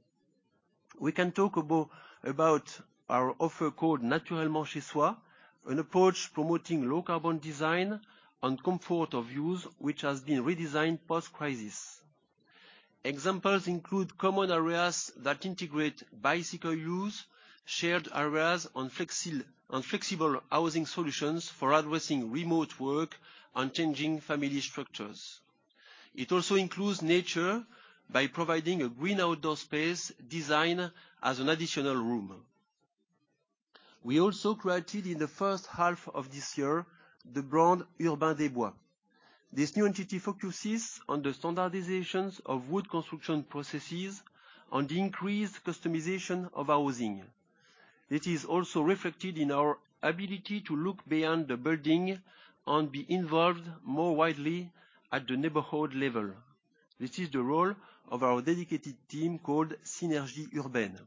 Speaker 5: We can talk about our offer called Naturellement chez soi, an approach promoting low-carbon design and comfort of use, which has been redesigned post-crisis. Examples include common areas that integrate bicycle use, shared areas on flexible housing solutions for addressing remote work and changing family structures. It also includes nature by providing a green outdoor space design as an additional room. We also created, in the first half of this year, the brand Urbain des Bois. This new entity focuses on the standardizations of wood construction processes, on the increased customization of housing. It is also reflected in our ability to look beyond the building and be involved more widely at the neighborhood level. This is the role of our dedicated team called Synergies Urbaines.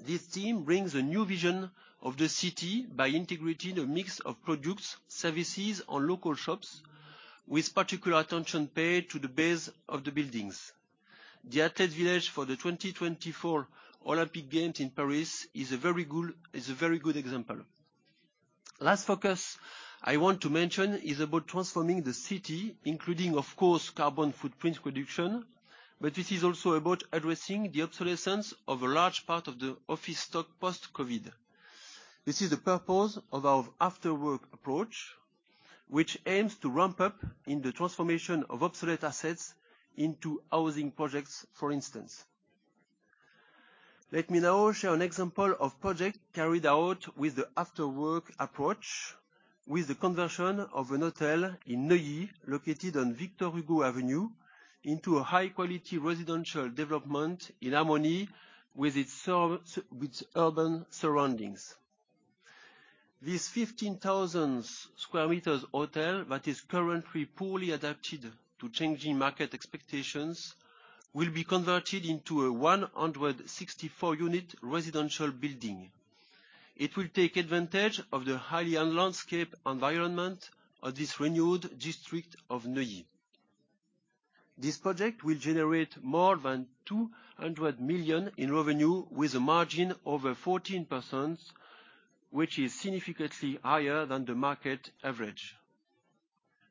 Speaker 5: This team brings a new vision of the city by integrating a mix of products, services, or local shops, with particular attention paid to the base of the buildings. The Athletes' Village for the 2024 Olympic Games in Paris is a very good example. Last focus I want to mention is about transforming the city, including of course, carbon footprint reduction, but it is also about addressing the obsolescence of a large part of the office stock post-COVID. This is the purpose of our AfterWork approach, which aims to ramp up in the transformation of obsolete assets into housing projects, for instance. Let me now share an example of project carried out with the AfterWork approach, with the conversion of an hotel in Neuilly, located on Victor Hugo Avenue, into a high quality residential development in harmony with its urban surroundings. This 15,000 sq m hotel that is currently poorly adapted to changing market expectations, will be converted into a 164-unit residential building. It will take advantage of the highly landscaped environment of this renewed district of Neuilly. This project will generate more than 200 million in revenue with a margin over 14%, which is significantly higher than the market average.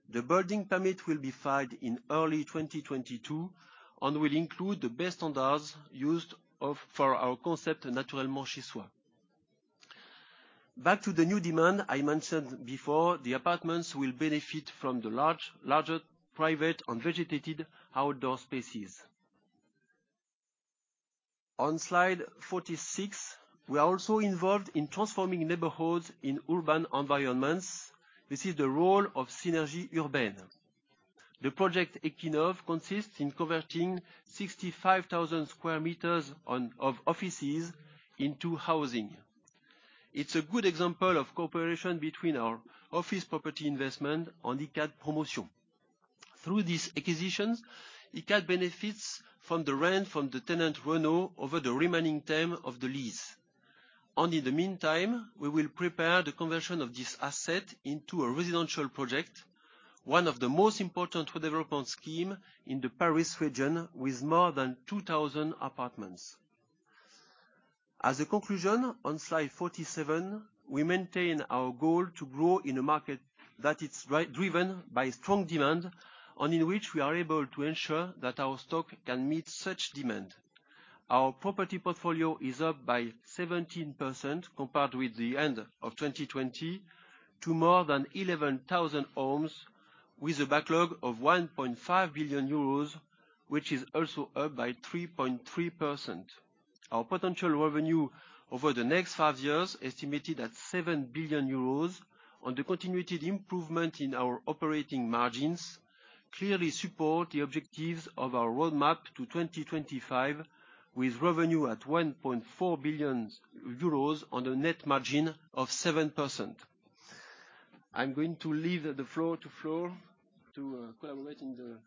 Speaker 5: The building permit will be filed in early 2022, and will include the best standards used for our concept Naturellement chez soi. Back to the new demand I mentioned before, the apartments will benefit from the larger private and vegetated outdoor spaces. On slide 46, we are also involved in transforming neighborhoods in urban environments. This is the role of Synergies Urbaines. The project Equinoxe consists in converting 65,000 sq m of offices into housing. It's a good example of cooperation between our office property investment and Icade Promotion. Through these acquisitions, Icade benefits from the rent from the tenant Renault over the remaining term of the lease. In the meantime, we will prepare the conversion of this asset into a residential project, one of the most important redevelopment scheme in the Paris region, with more than 2,000 apartments. As a conclusion, on slide 47, we maintain our goal to grow in a market that is driven by strong demand, and in which we are able to ensure that our stock can meet such demand. Our property portfolio is up by 17% compared with the end of 2020 to more than 11,000 homes, with a backlog of 1.5 billion euros, which is also up by 3.3%. Our potential revenue over the next five years, estimated at 7 billion euros, on the continued improvement in our operating margins, clearly support the objectives of our roadmap to 2025, with revenue at 1.4 billion euros on a net margin of 7%. I'm going to leave the floor to Flore to elaborate on the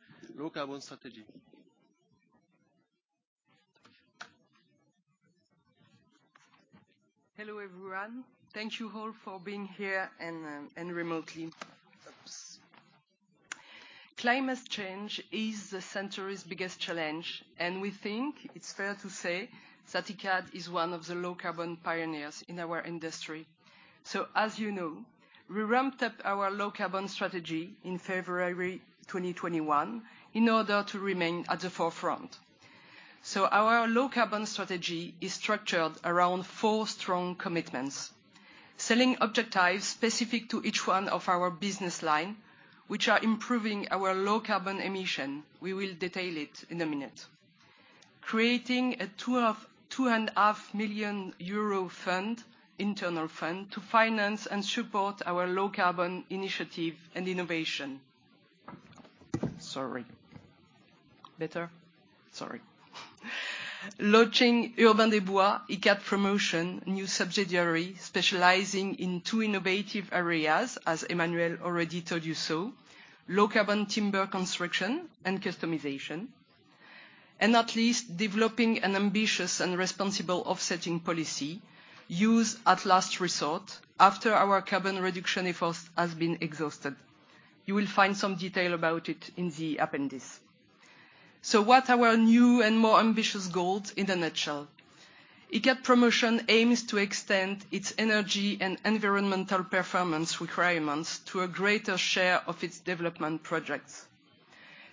Speaker 5: low-carbon strategy.
Speaker 6: Hello, everyone. Thank you all for being here and remotely. Oops. Climate change is the century's biggest challenge, and we think it's fair to say that Icade is one of the low carbon pioneers in our industry. As you know, we ramped up our low carbon strategy in February 2021 in order to remain at the forefront. Our low carbon strategy is structured around four strong commitments. Selling objectives specific to each one of our business line, which are improving our low carbon emission. We will detail it in a minute. Creating a 2.5 million euro Fund, internal fund, to finance and support our low carbon initiative and innovation. Sorry. Better? Sorry. Launching Urbain des Bois, Icade Promotion, new subsidiary specializing in two innovative areas, as Emmanuel already told you so, low carbon timber construction and customization. At least developing an ambitious and responsible offsetting policy used at last resort after our carbon reduction efforts has been exhausted. You will find some detail about it in the appendix. What are our new and more ambitious goals in a nutshell? Icade Promotion aims to extend its energy and environmental performance requirements to a greater share of its development projects.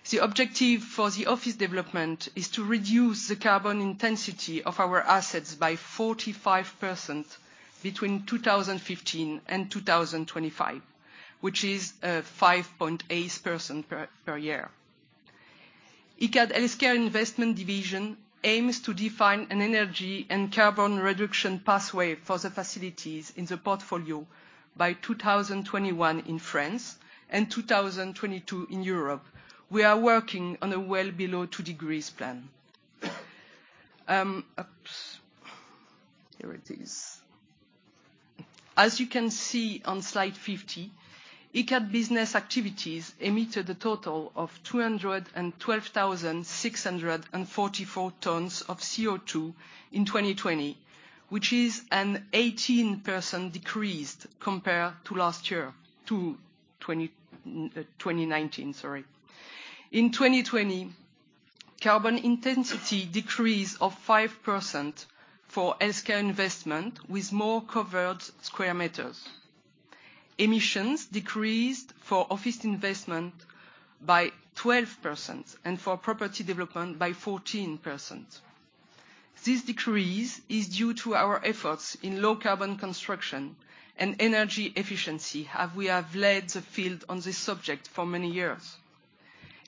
Speaker 6: The objective for the office development is to reduce the carbon intensity of our assets by 45% between 2015 and 2025, which is 5.8% per year. Icade Santé aims to define an energy and carbon reduction pathway for the facilities in the portfolio by 2021 in France and 2022 in Europe. We are working on a well below two degrees plan. Here it is. As you can see on slide 50, Icade business activities emitted a total of 212,644 tons of CO2 in 2020, which is an 18% decrease compared to last year, to 2019, sorry. In 2020, carbon intensity decreased by 5% for healthcare investment, with more covered square meters. Emissions decreased for office investment by 12%, and for property development by 14%. This decrease is due to our efforts in low carbon construction and energy efficiency. We have led the field on this subject for many years.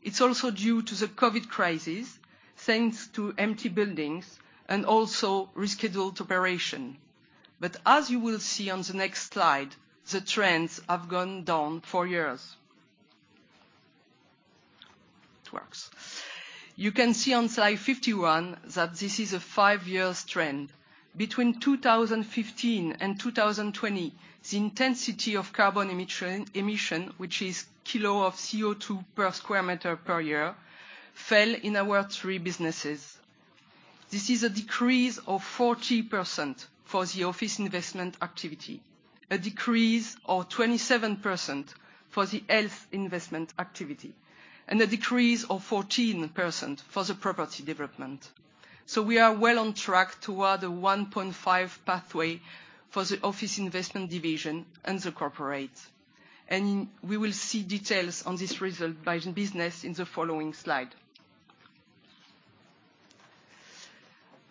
Speaker 6: It's also due to the COVID crisis, thanks to empty buildings and also rescheduled operation. As you will see on the next slide, the trends have gone down for years. It works. You can see on slide 51 that this is a five year trend. Between 2015 and 2020, the intensity of carbon emission, which is kilo of CO2 per sq m per year, fell in our three businesses. This is a decrease of 40% for the office investment activity, a decrease of 27% for the health investment activity, and a decrease of 14% for the property development. We are well on track toward the 1.5 pathway for the office investment division and the corporate. We will see details on this result by the business in the following slide.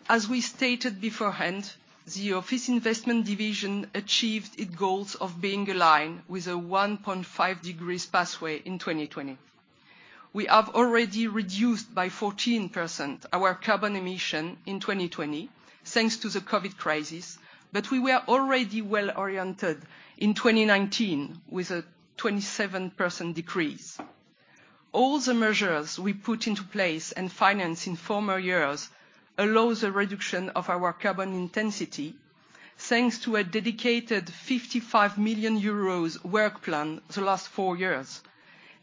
Speaker 6: As we stated beforehand, the office investment division achieved its goals of being aligned with a 1.5 degrees pathway in 2020. We have already reduced by 14% our carbon emission in 2020, thanks to the COVID-19 crisis, but we were already well-oriented in 2019 with a 27% decrease. All the measures we put into place and finance in former years allows a reduction of our carbon intensity, thanks to a dedicated 55 million euros work plan the last four years,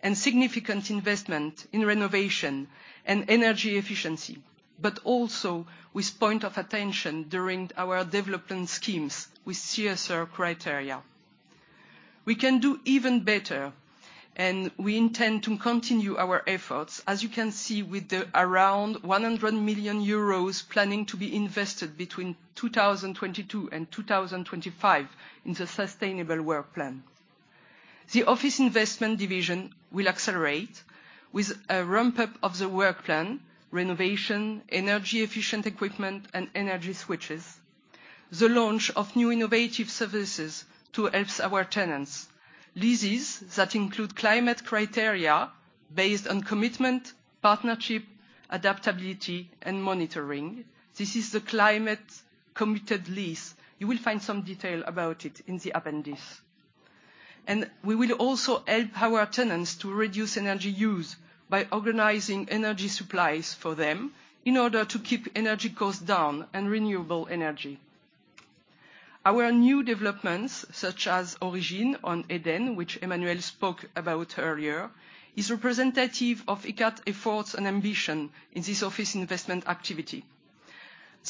Speaker 6: and significant investment in renovation and energy efficiency. Also with points of attention during our development schemes with CSR criteria. We can do even better, and we intend to continue our efforts, as you can see with the around 100 million euros plan to be invested between 2022 and 2025 in the sustainable work plan. The office investment division will accelerate with a ramp up of the work plan, renovation, energy efficient equipment, and energy switches, the launch of new innovative services to help our tenants, leases that include climate criteria based on commitment, partnership, adaptability, and monitoring. This is the Climate Committed Lease. You will find some detail about it in the appendix. We will also help our tenants to reduce energy use by organizing energy supplies for them in order to keep energy costs down and renewable energy. Our new developments, such as Origine and Edenn, which Emmanuel spoke about earlier, is representative of Icade efforts and ambition in this office investment activity.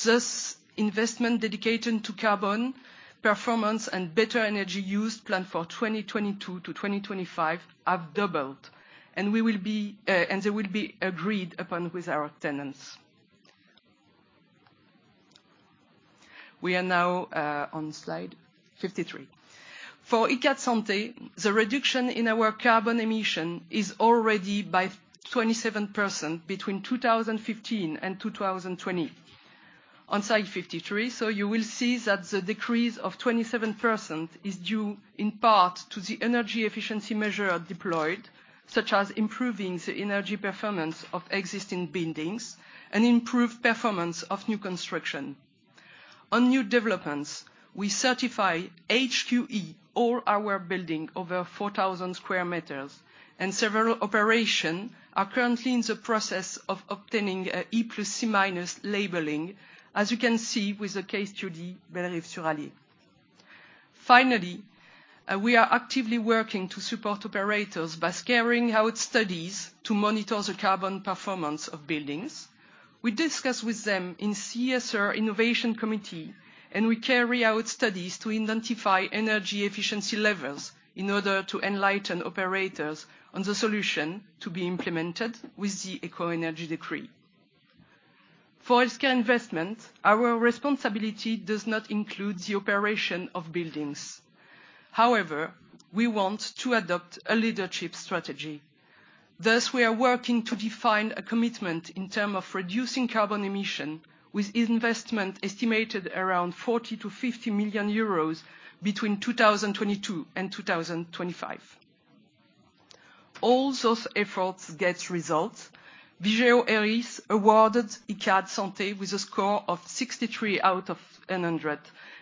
Speaker 6: This investment dedicated to carbon, performance and better energy use planned for 2022 to 2025 have doubled, and we will be, and they will be agreed upon with our tenants. We are now on slide 53. For Icade Santé, the reduction in our carbon emission is already by 27% between 2015 and 2020. On slide 53, you will see that the decrease of 27% is due in part to the energy efficiency measure deployed, such as improving the energy performance of existing buildings and improved performance of new construction. On new developments, we certify HQE all our buildings over 4,000 sq m, and several operations are currently in the process of obtaining an E+C- labeling, as you can see with the case study, Bellerive-sur-Allier. We are actively working to support operators by carrying out studies to monitor the carbon performance of buildings. We discuss with them in CSR and Innovation Committee, and we carry out studies to identify energy efficiency levels in order to enlighten operators on the solution to be implemented with the Éco Énergie Tertiaire Decree. For healthcare investment, our responsibility does not include the operation of buildings. However, we want to adopt a leadership strategy. Thus, we are working to define a commitment in terms of reducing carbon emission with investment estimated around 40 million-50 million euros between 2022 and 2025. All those efforts gets results. Vigeo Eiris awarded Icade Santé with a score of 63 out of 100,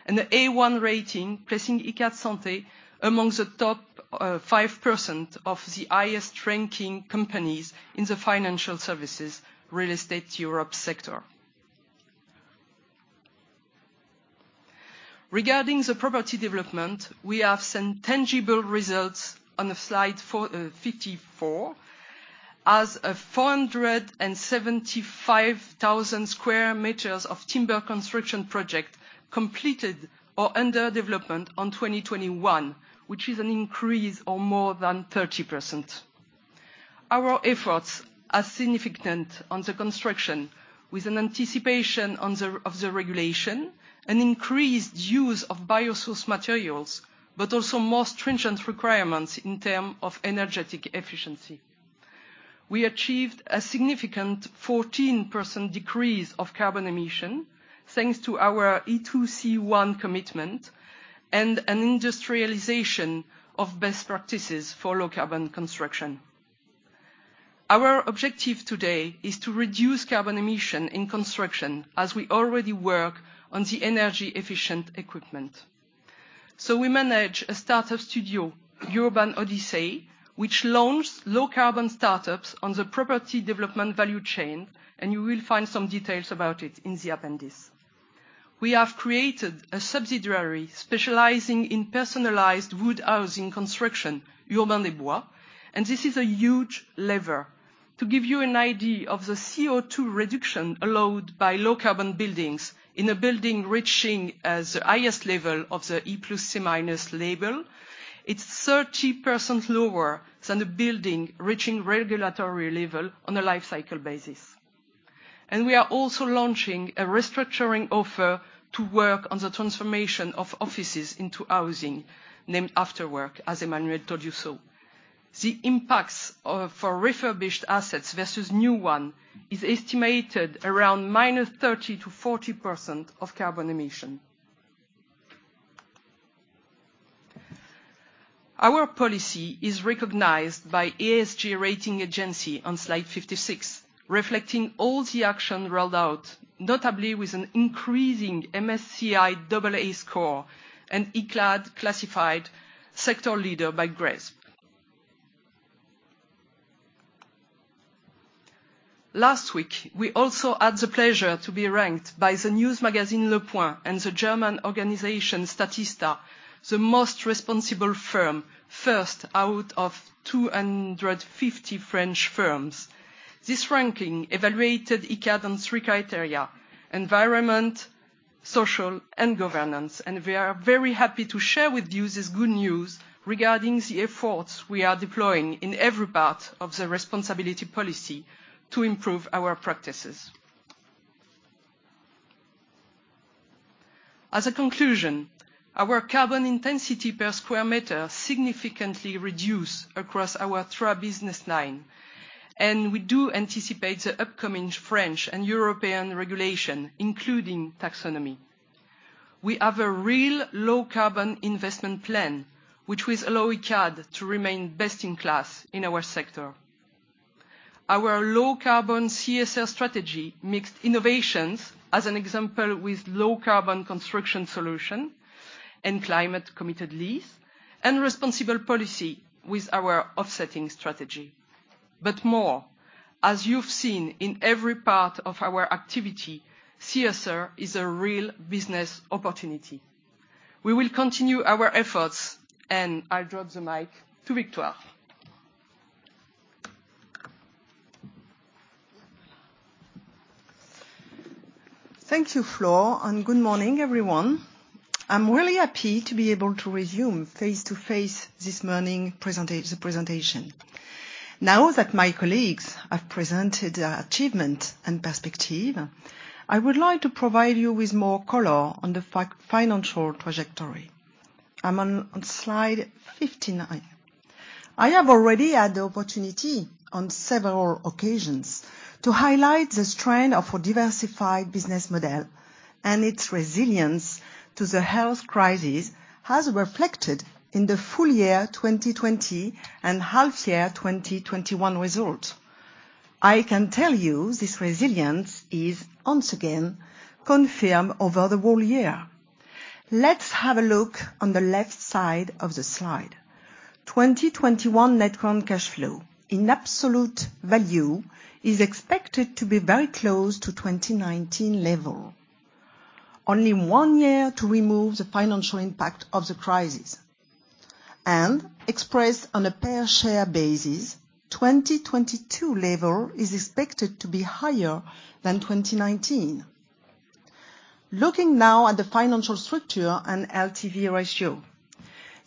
Speaker 6: and an A1 rating, placing Icade Santé among the top 5% of the highest ranking companies in the financial services real estate Europe sector. Regarding the property development, we have some tangible results on the slide 54 as 475,000 sq m of timber construction project completed or under development in 2021, which is an increase of more than 30%. Our efforts are significant on the construction with an anticipation of the regulation and increased use of biosource materials, but also more stringent requirements in terms of energy efficiency. We achieved a significant 14% decrease of carbon emission, thanks to our E2C1 commitment and an industrialization of best practices for low-carbon construction. Our objective today is to reduce carbon emission in construction as we already work on the energy-efficient equipment. We manage a start-up studio, Urban Odyssey, which launched low-carbon start-ups on the property development value chain, and you will find some details about it in the appendix. We have created a subsidiary specializing in personalized wood housing construction, Urbain des Bois, and this is a huge lever. To give you an idea of the CO2 reduction allowed by low carbon buildings in a building reaching the highest level of the E+C- label, it's 30% lower than the building reaching regulatory level on a life cycle basis. We are also launching a restructuring offer to work on the transformation of offices into housing, named AfterWork, as Emmanuel told you so. The impacts of for refurbished assets versus new one is estimated around -30%-40% of carbon emission. Our policy is recognized by ESG Rating Agency on slide 56, reflecting all the action rolled out, notably with an increasing MSCI AA score and Icade classified sector leader by GRESB. Last week, we also had the pleasure to be ranked by the news magazine Le Point and the German organization Statista, the most responsible firm, first out of 250 French firms. This ranking evaluated Icade on three criteria: environment, social, and governance. We are very happy to share with you this good news regarding the efforts we are deploying in every part of the responsibility policy to improve our practices. As a conclusion, our carbon intensity per square meter significantly reduce across our three business line. We do anticipate the upcoming French and European regulation, including taxonomy. We have a real low carbon investment plan, which will allow Icade to remain best in class in our sector. Our low carbon CSR strategy mixed innovations as an example with low carbon construction solution and climate committed lease and responsible policy with our offsetting strategy. More, as you've seen in every part of our activity, CSR is a real business opportunity. We will continue our efforts, and I'll drop the mic to Victoire.
Speaker 7: Thank you, Flore, and good morning, everyone. I'm really happy to be able to resume face-to-face this morning's presentation. Now that my colleagues have presented their achievement and perspective, I would like to provide you with more color on the financial trajectory. I'm on slide 59. I have already had the opportunity on several occasions to highlight the strength of a diversified business model, and its resilience to the health crisis has reflected in the full year 2020 and half year 2021 results. I can tell you this resilience is once again confirmed over the whole year. Let's have a look on the left side of the slide. 2021 net current cash flow in absolute value is expected to be very close to 2019 level. Only one year to remove the financial impact of the crisis. Expressed on a per share basis, 2022 level is expected to be higher than 2019. Looking now at the financial structure and LTV ratio.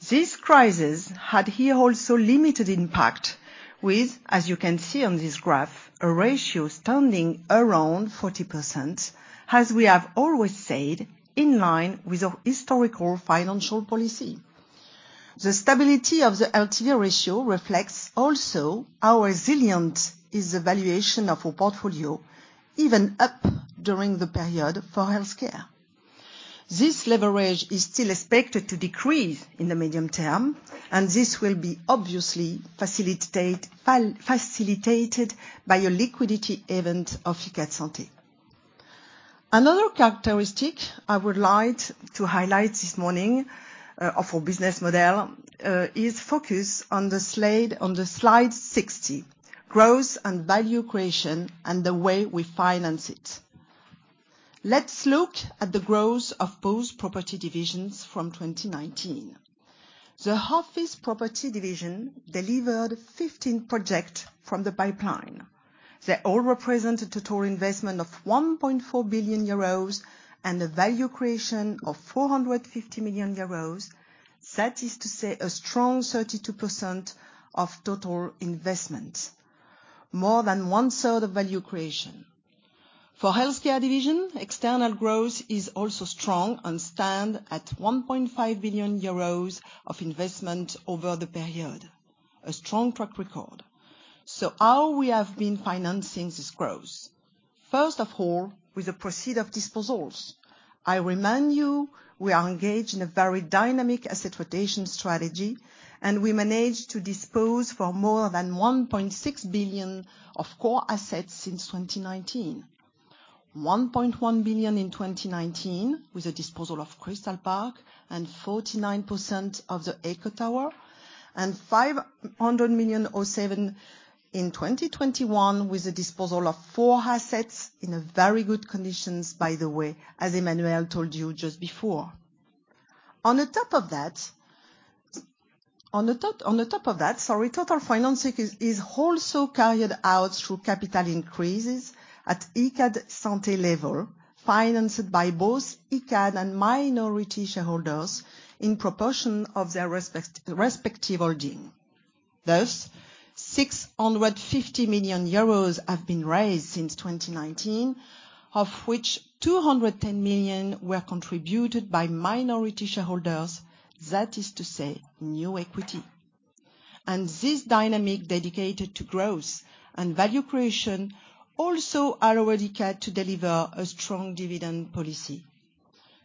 Speaker 7: This crisis had here also limited impact with, as you can see on this graph, a ratio standing around 40%, as we have always said, in line with our historical financial policy. The stability of the LTV ratio reflects also how resilient is the valuation of our portfolio, even up during the period for healthcare. This leverage is still expected to decrease in the medium term, and this will be obviously facilitated by a liquidity event of Icade Santé. Another characteristic I would like to highlight this morning, of our business model, is focus on the slide 60: growth and value creation and the way we finance it. Let's look at the growth of both property divisions from 2019. The office property division delivered 15 projects from the pipeline. They all represent a total investment of 1.4 billion euros and a value creation of 450 million euros. That is to say, a strong 32% of total investments, more than one-third of value creation. For healthcare division, external growth is also strong and stands at 1.5 billion euros of investment over the period, a strong track record. How we have been financing this growth? First of all, with the proceeds of disposals. I remind you, we are engaged in a very dynamic asset rotation strategy, and we managed to dispose of more than 1.6 billion of core assets since 2019. 1.1 billion in 2019, with the disposal of Crystal Park and 49% of the EQHO Tower, and 500 million euros in 2021, with the disposal of four assets in very good condition, by the way, as Emmanuel told you just before. On top of that, sorry, total financing is also carried out through capital increases at Icade Santé level, financed by both Icade and minority shareholders in proportion of their respective holding. Thus, 650 million euros have been raised since 2019, of which 210 million were contributed by minority shareholders, that is to say, new equity. This dynamic dedicated to growth and value creation also allowed Icade to deliver a strong dividend policy.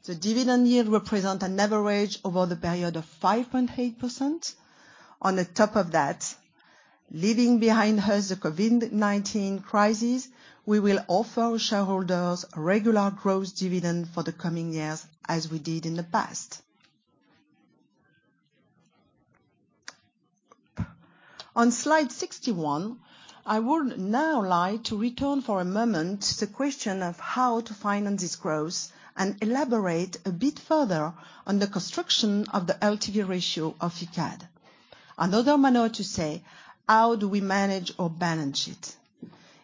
Speaker 7: The dividend yield represent an average over the period of 5.8%. On top of that, leaving behind us the COVID-19 crisis, we will offer shareholders regular growth dividend for the coming years, as we did in the past. On slide 61, I would now like to return for a moment to the question of how to finance this growth and elaborate a bit further on the construction of the LTV ratio of Icade. Another way to say, how do we manage or balance it?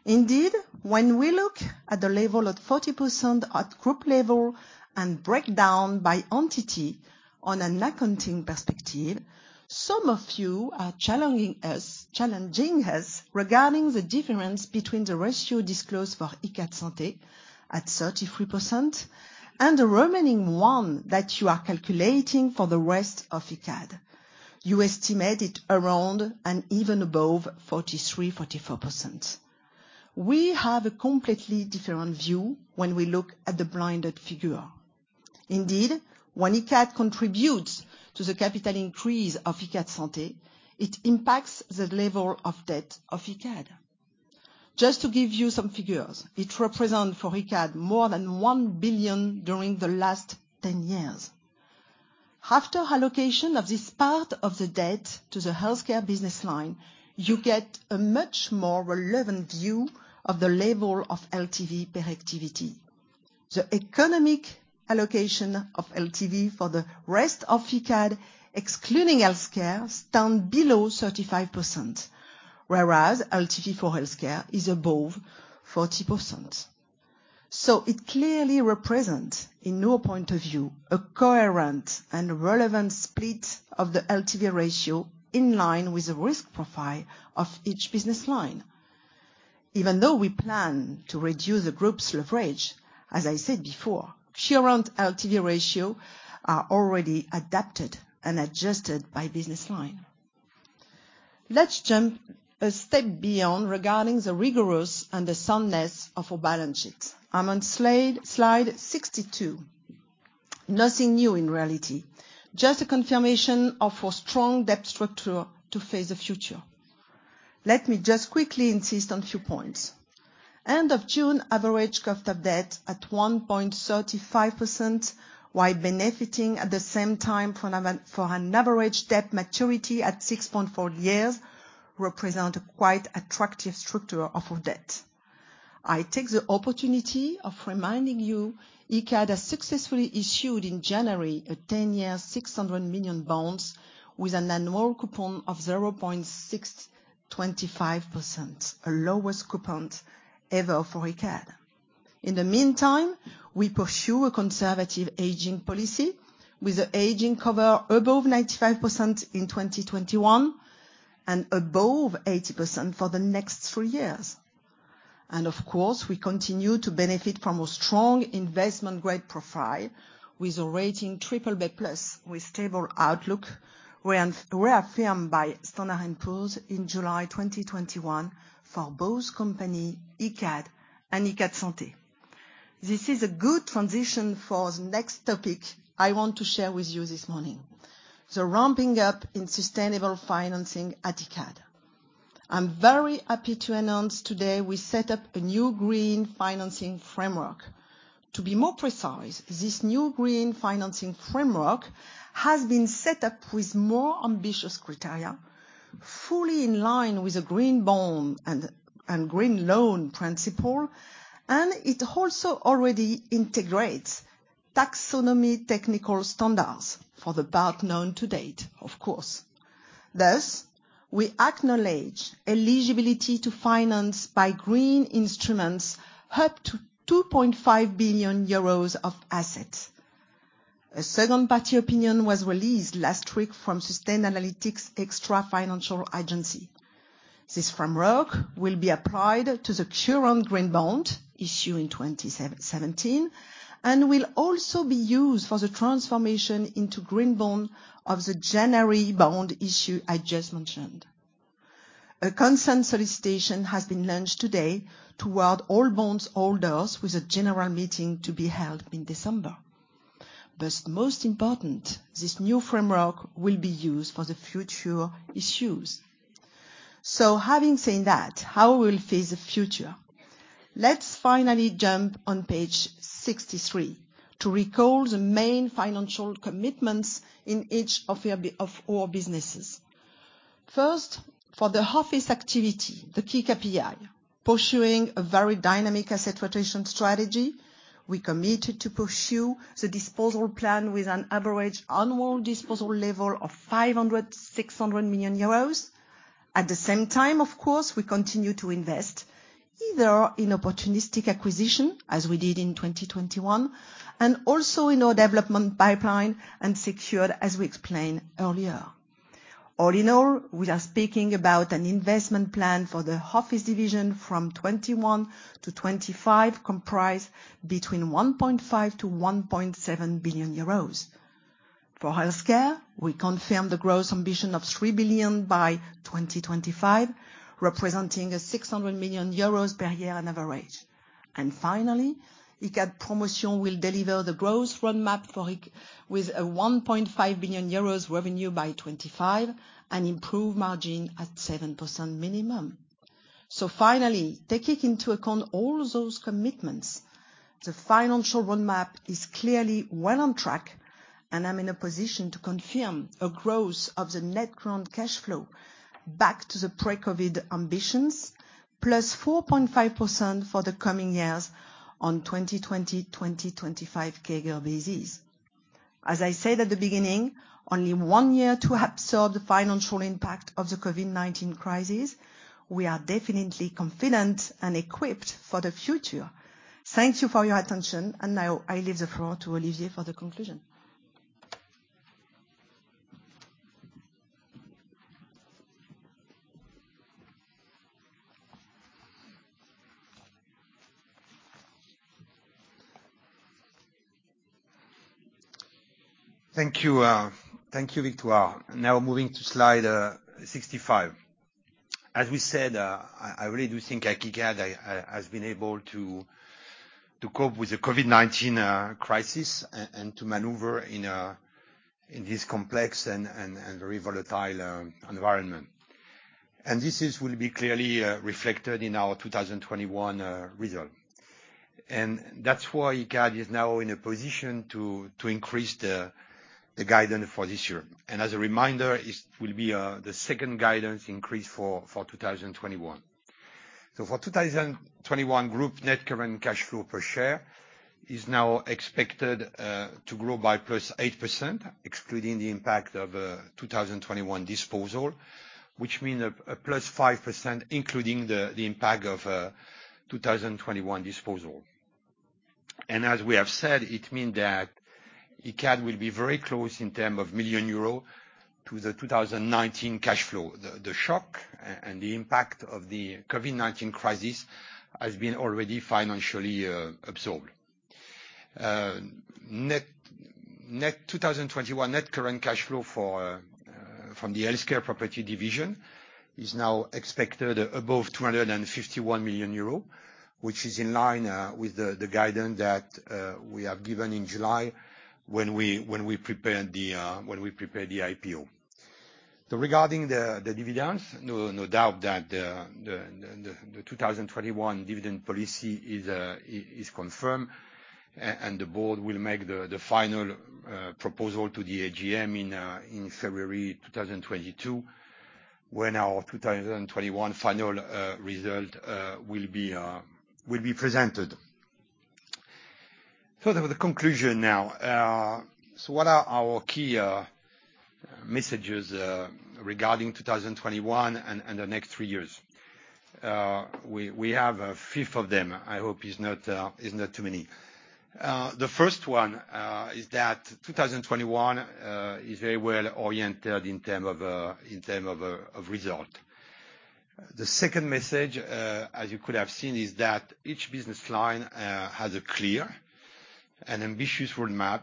Speaker 7: Indeed, when we look at the level of 40% at group level and break down by entity on an accounting perspective, some of you are challenging us regarding the difference between the ratio disclosed for Icade Santé at 33% and the remaining one that you are calculating for the rest of Icade. You estimate it around and even above 43%-44%. We have a completely different view when we look at the blended figure. Indeed, when Icade contributes to the capital increase of Icade Santé, it impacts the level of debt of Icade. Just to give you some figures, it represent for Icade more than 1 billion during the last 10 years. After allocation of this part of the debt to the healthcare business line, you get a much more relevant view of the level of LTV per activity. The economic allocation of LTV for the rest of Icade, excluding healthcare, stand below 35%, whereas LTV for healthcare is above 40%. It clearly represent, in our point of view, a coherent and relevant split of the LTV ratio in line with the risk profile of each business line. Even though we plan to reduce the group's leverage, as I said before, current LTV ratio are already adapted and adjusted by business line. Let's jump a step beyond regarding the rigor and the soundness of our balance sheet. I'm on slide 62. Nothing new in reality, just a confirmation of our strong debt structure to face the future. Let me just quickly insist on few points. End of June, average cost of debt at 1.35%, while benefiting at the same time from an average debt maturity at 6.4 years. Represent a quite attractive structure of debt. I take the opportunity to remind you Icade has successfully issued in January a 10-year 600 million bonds with an annual coupon of 0.625%. Our lowest coupons ever for Icade. In the meantime, we pursue a conservative aging policy with an aging cover above 95% in 2021, and above 80% for the next three years. Of course, we continue to benefit from a strong investment grade profile with a rating BBB+ with stable outlook reaffirmed by Standard & Poor's in July 2021 for both company Icade and Icade Santé. This is a good transition for the next topic I want to share with you this morning, the ramping up in sustainable financing at Icade. I'm very happy to announce today we set up a new green financing framework. To be more precise, this new green financing framework has been set up with more ambitious criteria, fully in line with the green bond and green loan principle, and it also already integrates taxonomy technical standards for the part known to date, of course. Thus, we acknowledge eligibility to finance by green instruments up to 2.5 billion euros of assets. A second party opinion was released last week from Sustainalytics. This framework will be applied to the current green bond issued in 2017, and will also be used for the transformation into green bond of the January bond issue I just mentioned. A consent solicitation has been launched today toward all bondholders with a general meeting to be held in December. Most important, this new framework will be used for the future issues. Having said that, how we'll face the future? Let's finally jump on page 63 to recall the main financial commitments in each of our businesses. First, for the office activity, the key KPI, pursuing a very dynamic asset rotation strategy, we committed to pursue the disposal plan with an average annual disposal level of 500 million-600 million euros. At the same time, of course, we continue to invest either in opportunistic acquisition, as we did in 2021, and also in our development pipeline and secured, as we explained earlier. All in all, we are speaking about an investment plan for the office division from 2021-2025, comprised between 1.5 billion-1.7 billion euros. For healthcare, we confirm the growth ambition of 3 billion by 2025, representing 600 million euros per year on average. Finally, Icade Promotion will deliver the growth roadmap for Icade with a 1.5 billion euros revenue by 2025, and improve margin at 7% minimum. Finally, taking into account all those commitments, the financial roadmap is clearly well on track, and I'm in a position to confirm a growth of the net current cash flow back to the pre-COVID ambitions, plus 4.5% for the coming years on 2020-2025 CAGR basis. As I said at the beginning, only one year to absorb the financial impact of the COVID-19 crisis. We are definitely confident and equipped for the future. Thank you for your attention, and now I leave the floor to Olivier for the conclusion.
Speaker 2: Thank you, Victoire. Now moving to slide 65. As we said, I really do think Icade has been able to cope with the COVID-19 crisis and to maneuver in this complex and very volatile environment. This will be clearly reflected in our 2021 result. That's why Icade is now in a position to increase the guidance for this year. As a reminder, it will be the second guidance increase for 2021. For 2021, group net current cash flow per share is now expected to grow by +8%, excluding the impact of 2021 disposal, which means a +5% including the impact of 2021 disposal. As we have said, it means that Icade will be very close in terms of 1 euro miliion to the 2019 cash flow. The shock and the impact of the COVID-19 crisis has already been financially absorbed. Net 2021 net current cash flow from the healthcare property division is now expected above 251 million euro, which is in line with the guidance that we have given in July when we prepared the IPO. Regarding the dividends, no doubt that the 2021 dividend policy is confirmed. The board will make the final proposal to the AGM in February 2022, when our 2021 final results will be presented. The conclusion now. What are our key messages regarding 2021 and the next three years? We have a few of them. I hope it's not too many. The first one is that 2021 is very well-oriented in terms of results. The second message, as you could have seen, is that each business line has a clear and ambitious roadmap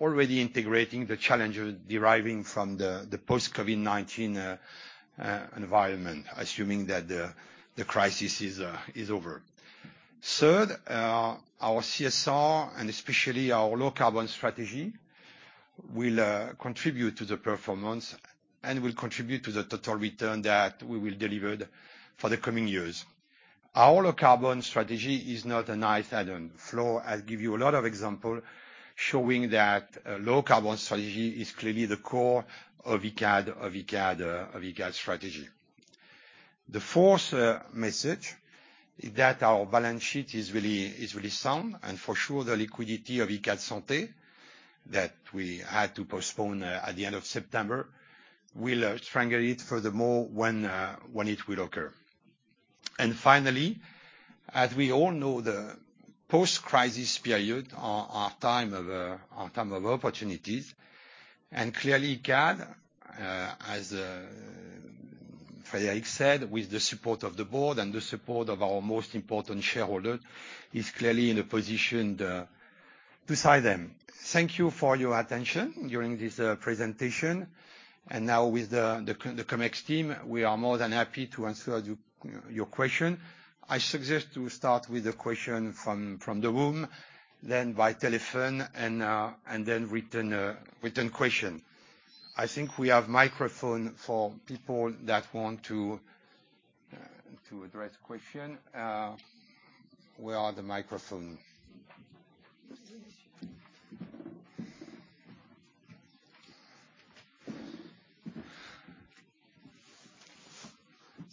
Speaker 2: already integrating the challenges deriving from the post-COVID-19 environment, assuming that the crisis is over. Third, our CSR, and especially our low-carbon strategy, will contribute to the performance and will contribute to the total return that we will deliver for the coming years. Our low-carbon strategy is not a nice add-on. Flo has give you a lot of examples showing that a low-carbon strategy is clearly the core of Icade strategy. The fourth message is that our balance sheet is really sound. For sure, the liquidity of Icade Santé that we had to postpone at the end of September will strengthen it furthermore when it will occur. Finally, as we all know, the post-crisis period are time of opportunities. Clearly, Icade, as Frederic said, with the support of the board and the support of our most important shareholder, is clearly in a position to seize them. Thank you for your attention during this presentation. Now, with the Comex team, we are more than happy to answer your question. I suggest to start with the question from the room, then by telephone, and then written question. I think we have microphone for people that want to address question. Where are the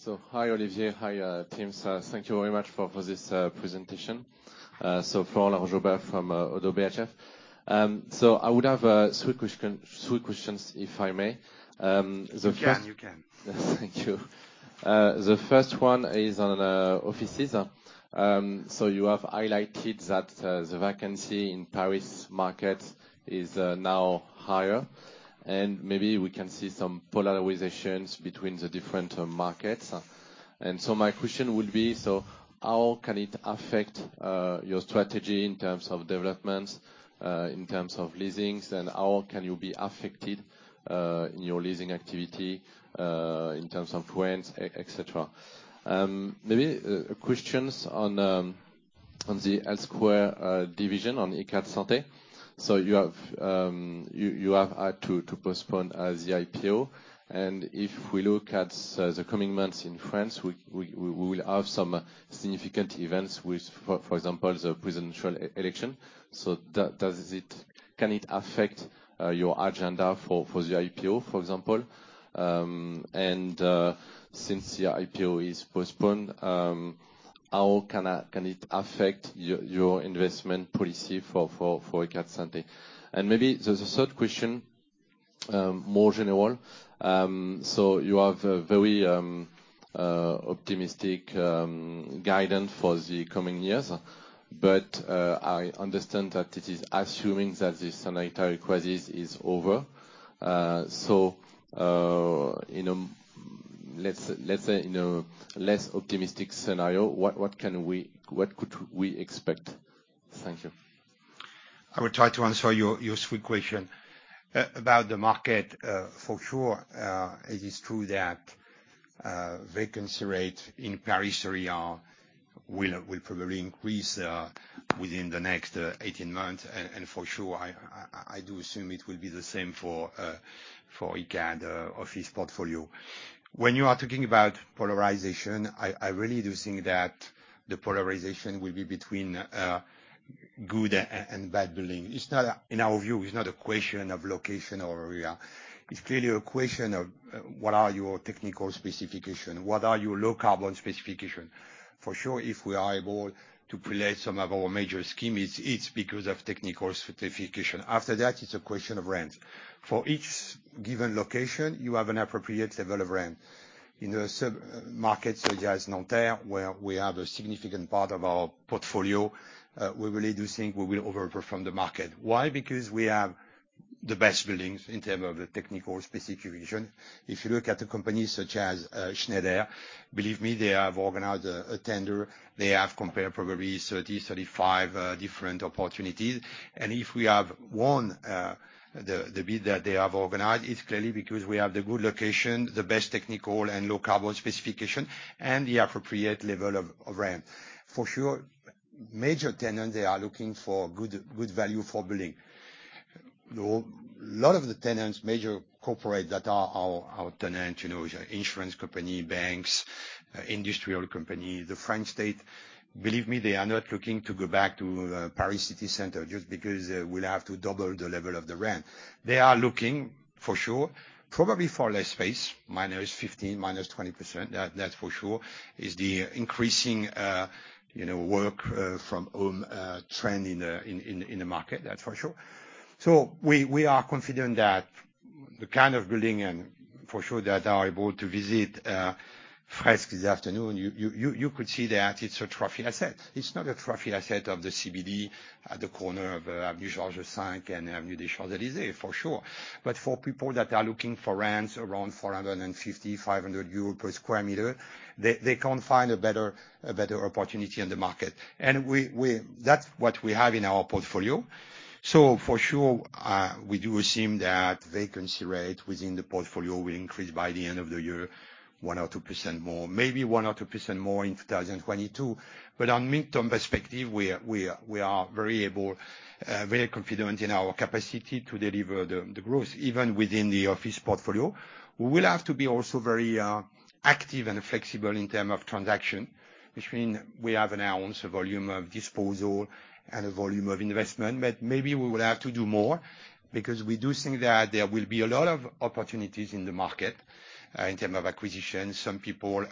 Speaker 2: microphone?
Speaker 8: Hi, Olivier. Hi, teams. Thank you very much for this presentation. Florent Laroche-Joubert from ODDO BHF. I would have three questions, if I may. The first-
Speaker 2: You can.
Speaker 8: Thank you. The first one is on offices. You have highlighted that the vacancy in Paris market is now higher, and maybe we can see some polarizations between the different markets. My question would be, how can it affect your strategy in terms of developments, in terms of leasings? How can you be affected in your leasing activity, in terms of rents, et cetera? Maybe questions on the Adsquare division on Icade Santé. You have had to postpone the IPO. If we look at the coming months in France, we will have some significant events with, for example, the presidential election. Does it can it affect your agenda for the IPO, for example? Since the IPO is postponed, how can it affect your investment policy for Icade Santé? Maybe the third question, more general. You have a very optimistic guidance for the coming years. I understand that it is assuming that the sanitary crisis is over. Let's say in a less optimistic scenario, what could we expect? Thank you.
Speaker 2: I will try to answer your three questions. About the market, for sure, it is true that vacancy rate in Paris area will probably increase within the next 18 months. For sure, I do assume it will be the same for Icade office portfolio. When you are talking about polarization, I really do think that the polarization will be between good and bad buildings. It's not, in our view, it's not a question of location or area. It's clearly a question of what are your technical specifications, what are your low-carbon specifications. For sure, if we are able to place some of our major schemes, it's because of technical certification. After that, it's a question of rent. For each given location, you have an appropriate level of rent. In the submarkets, such as Nanterre, where we have a significant part of our portfolio, we really do think we will overperform the market. Why? Because we have the best buildings in terms of the technical specification. If you look at the companies such as Schneider, believe me, they have organized a tender. They have compared probably 30, 35 different opportunities. If we have won the bid that they have organized, it's clearly because we have the good location, the best technical and low-carbon specification, and the appropriate level of rent. For sure, major tenant, they are looking for good value for building. lot of the tenants, major corporate that are our tenant, you know, insurance company, banks, industrial company, the French state, believe me, they are not looking to go back to Paris city center just because we'll have to double the level of the rent. They are looking for sure, probably for less space, minus 15%-20%, that's for sure is the increasing work-from-home trend in the market. That's for sure. We are confident that the kind of building and for sure that you are able to visit Fresk this afternoon, you could see that it's a trophy asset. It's not a trophy asset of the CBD at the corner of Avenue George-V and Avenue des Champs-Élysées, for sure. For people that are looking for rents around 450, 500 euros per sq m, they can't find a better opportunity in the market. That's what we have in our portfolio. For sure, we do assume that vacancy rate within the portfolio will increase by the end of the year, 1%-2% more, maybe 1%-2% more in 2022. On mid-term perspective, we are very confident in our capacity to deliver the growth, even within the office portfolio. We will have to be also very active and flexible in terms of transaction, which means we have announced a volume of disposal and a volume of investment. Maybe we will have to do more, because we do think that there will be a lot of opportunities in the market, in terms of acquisitions. Some people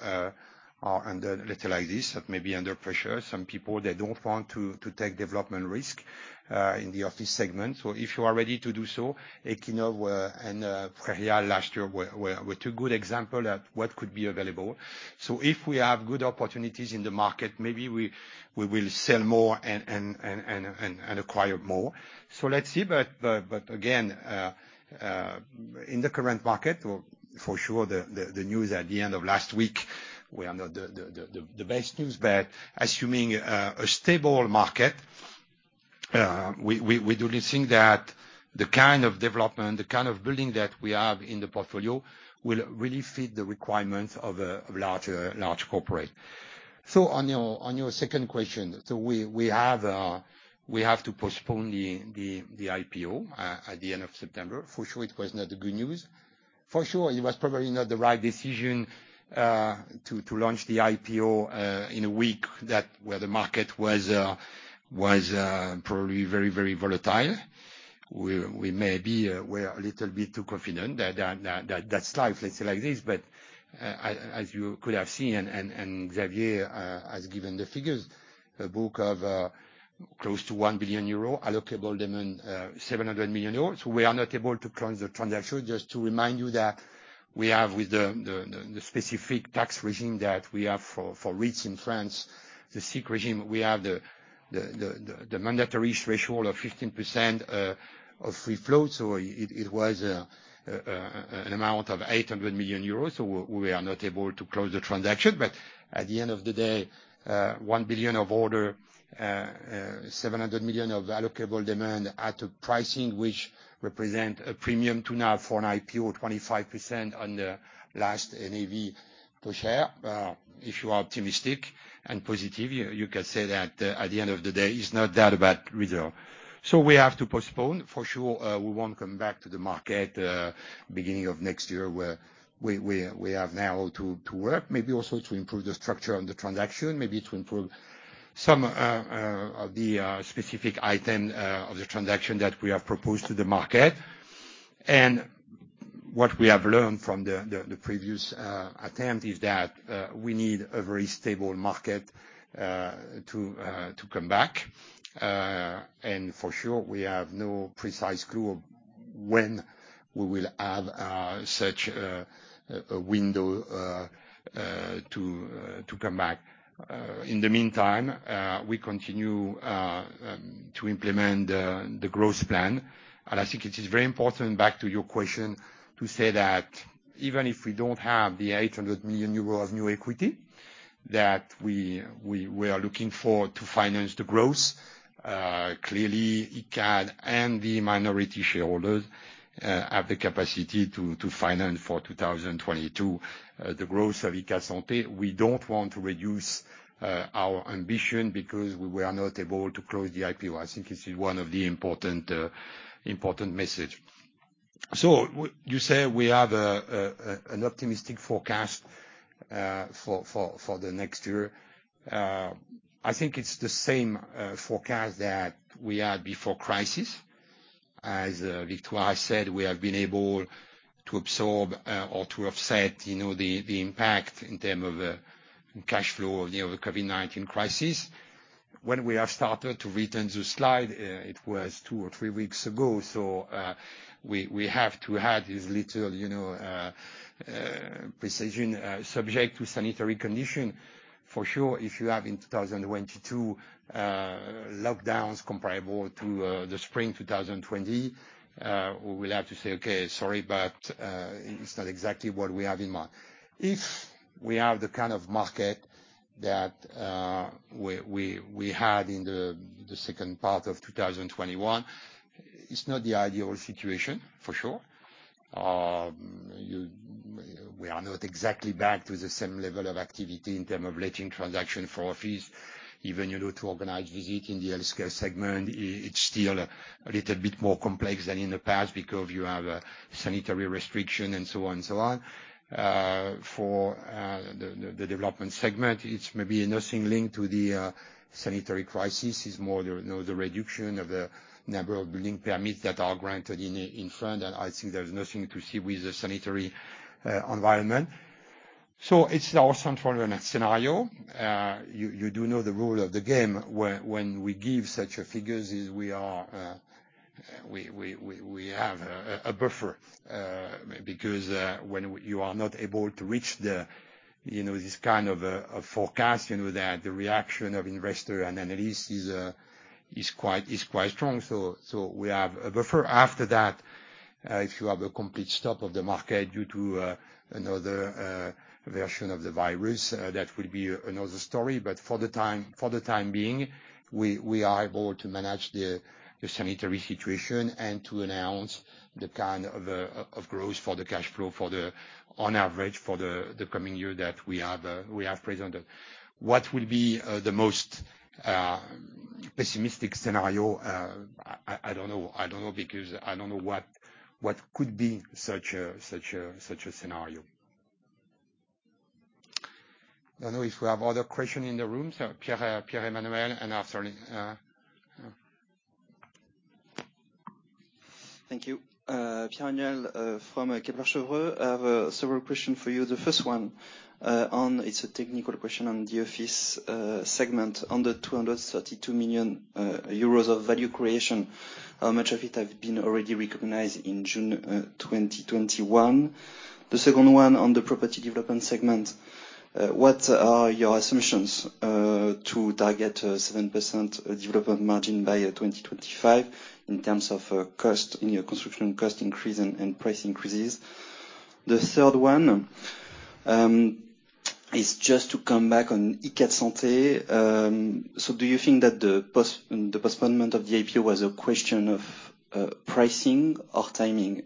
Speaker 2: are under, let's say like this, maybe under pressure. Some people, they don't want to take development risk in the office segment. So if you are ready to do so, Equinoxe and Prieuré last year were two good examples of what could be available. So if we have good opportunities in the market, maybe we will sell more and acquire more. So let's see, but again, in the current market, for sure, the news at the end of last week were not the best news. Assuming a stable market, we do think that the kind of development, the kind of building that we have in the portfolio will really fit the requirements of a larger corporate. On your second question, we have to postpone the IPO at the end of September. For sure, it was not good news. For sure, it was probably not the right decision to launch the IPO in a week that where the market was probably very volatile. We may be, we're a little bit too confident. That's life, let's say like this. you could have seen and Xavier has given the figures, an order book of close to 1 billion euro, allocatable demand 700 million euros. We are not able to close the transaction. Just to remind you that we have with the specific tax regime that we have for REITs in France, the SIIC regime, we have the mandatory threshold of 15% of free float. It was an amount of 800 million euros, so we are not able to close the transaction. At the end of the day, 1 billion of order 700 million of allocatable demand at a pricing which represent a premium to now for an IPO 25% on the last NAV per share. If you are optimistic and positive, you can say that at the end of the day, it's not that bad result. We have to postpone. For sure, we want to come back to the market beginning of next year where we have now to work, maybe also to improve the structure on the transaction, maybe to improve some of the specific item of the transaction that we have proposed to the market. What we have learned from the previous attempt is that we need a very stable market to come back. For sure, we have no precise clue of when we will have such a window to come back. In the meantime, we continue to implement the growth plan. I think it is very important, back to your question, to say that even if we don't have the 800 million euro of new equity that we are looking for to finance the growth, clearly, Icade and the minority shareholders have the capacity to finance for 2022 the growth of Icade Santé. We don't want to reduce our ambition because we were not able to close the IPO. I think this is one of the important message. You say we have an optimistic forecast for the next year. I think it's the same forecast that we had before crisis. As Victoire said, we have been able to absorb or to offset, you know, the impact in terms of cash flow of the COVID-19 crisis. When we have started to return the slide, it was two or three weeks ago. We have to have this little, you know, precision, subject to sanitary condition. For sure, if you have in 2022, lockdowns comparable to the spring 2020, we will have to say, "Okay, sorry, but it's not exactly what we have in mind." If we have the kind of market that we had in the second part of 2021, it's not the ideal situation, for sure. We are not exactly back to the same level of activity in terms of letting transactions for offices. Even you know, to organize visits in the scale segment it's still a little bit more complex than in the past because you have sanitary restrictions and so on and so on. For the development segment, it's maybe nothing linked to the sanitary crisis. It's more you know, the reduction of the number of building permits that are granted in France. I think there's nothing to do with the sanitary environment. It's our central scenario. You do know the rule of the game, where when we give such figures we have a buffer. Because when you are not able to reach the, you know, this kind of forecast, you know that the reaction of investor and analyst is quite strong. We have a buffer. After that, if you have a complete stop of the market due to another version of the virus, that will be another story. For the time being, we are able to manage the sanitary situation and to announce the kind of growth for the cash flow on average for the coming year that we have presented. What will be the most pessimistic scenario? I don't know. I don't know because I don't know what could be such a scenario. I don't know if we have other question in the room, so Pierre-Emmanuel and after,
Speaker 9: Thank you. Pierre-Emmanuel from Kepler Cheuvreux. I have several questions for you. The first one, it's a technical question on the office segment. On the 232 million euros of value creation, how much of it have been already recognized in June 2021? The second one on the property development segment, what are your assumptions to target a 7% development margin by 2025 in terms of cost, in your construction cost increase and price increases? The third one is just to come back on Icade Santé. Do you think that the postponement of the IPO was a question of pricing or timing?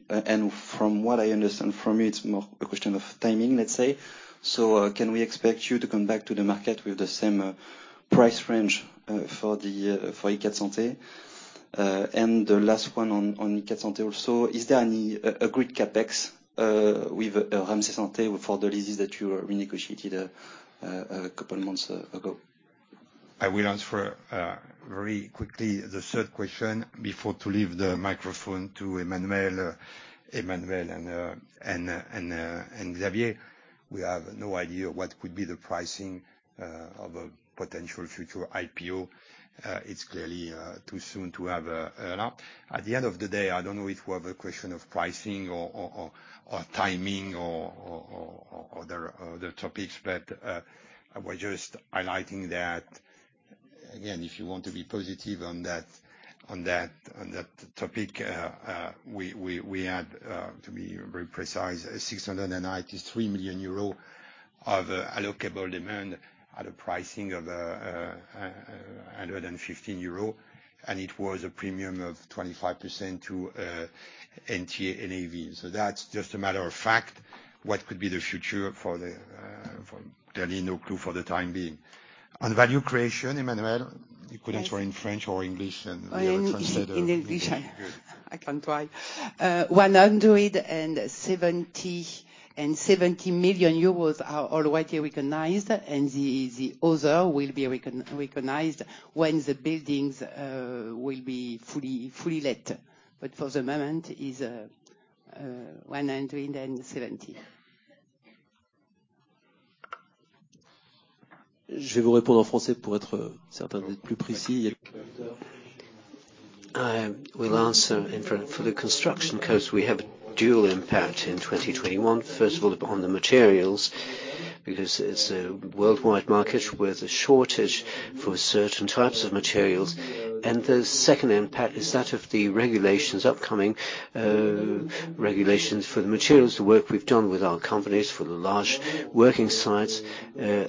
Speaker 9: From what I understand from you, it's more a question of timing, let's say. Can we expect you to come back to the market with the same price range for Icade Santé? The last one on Icade Santé also, is there any agreed CapEx with Ramsay Santé for the leases that you renegotiated a couple months ago?
Speaker 2: I will answer very quickly the third question before to leave the microphone to Emmanuel. Emmanuel and Xavier. We have no idea what could be the pricing of a potential future IPO. It's clearly too soon to have an idea. At the end of the day, I don't know if we have a question of pricing or timing or other topics, but I was just highlighting that, again, if you want to be positive on that topic, we had to be very precise, 693 million euros of allocable demand at a pricing of 115 euros, and it was a premium of 25% to NTA NAV. That's just a matter of fact. What could be the future for the Clearly, no clue for the time being. On value creation, Emmanuel, you could answer in French or English, and we will translate.
Speaker 3: In English. I can try. 177 million euros are already recognized, and the other will be recognized when the buildings will be fully let. For the moment is EUR 170 million.
Speaker 5: I will answer in French. For the construction cost, we have dual impact in 2021. First of all, on the materials, because it's a worldwide market with a shortage for certain types of materials. The second impact is that of the regulations, upcoming regulations. For the materials, the work we've done with our companies for the large working sites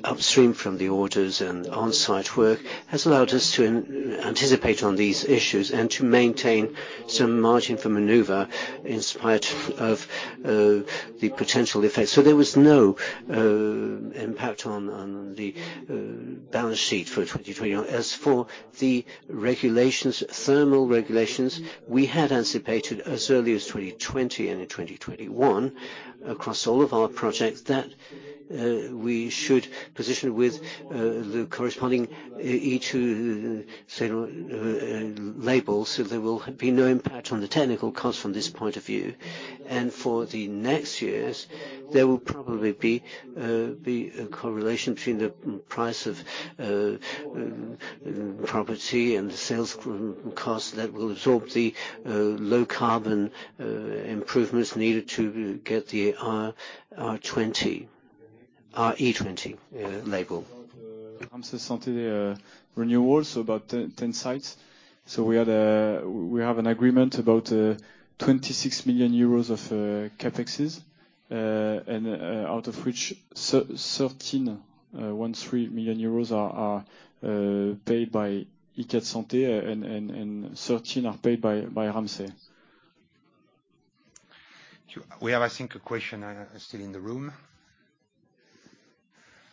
Speaker 5: upstream from the orders and on-site work has allowed us to anticipate on these issues and to maintain some margin for maneuver in spite of the potential effects. There was no impact on the balance sheet for 2021.
Speaker 3: As for the regulations, thermal regulations, we had anticipated as early as 2020 and in 2021, across all of our projects, that we should position with the corresponding E+C- label, so there will be no impact on the technical cost from this point of view. For the next years, there will probably be a correlation between the price of property and the sales cost that will absorb the low carbon improvements needed to get the RE2020 label.
Speaker 4: Ramsay Santé renewal, about 10 sites. We have an agreement about 26 million euros of CapEx, and out of which 13 million euros are paid by Icade Santé and 13 are paid by Ramsay.
Speaker 2: We have, I think, a question still in the room.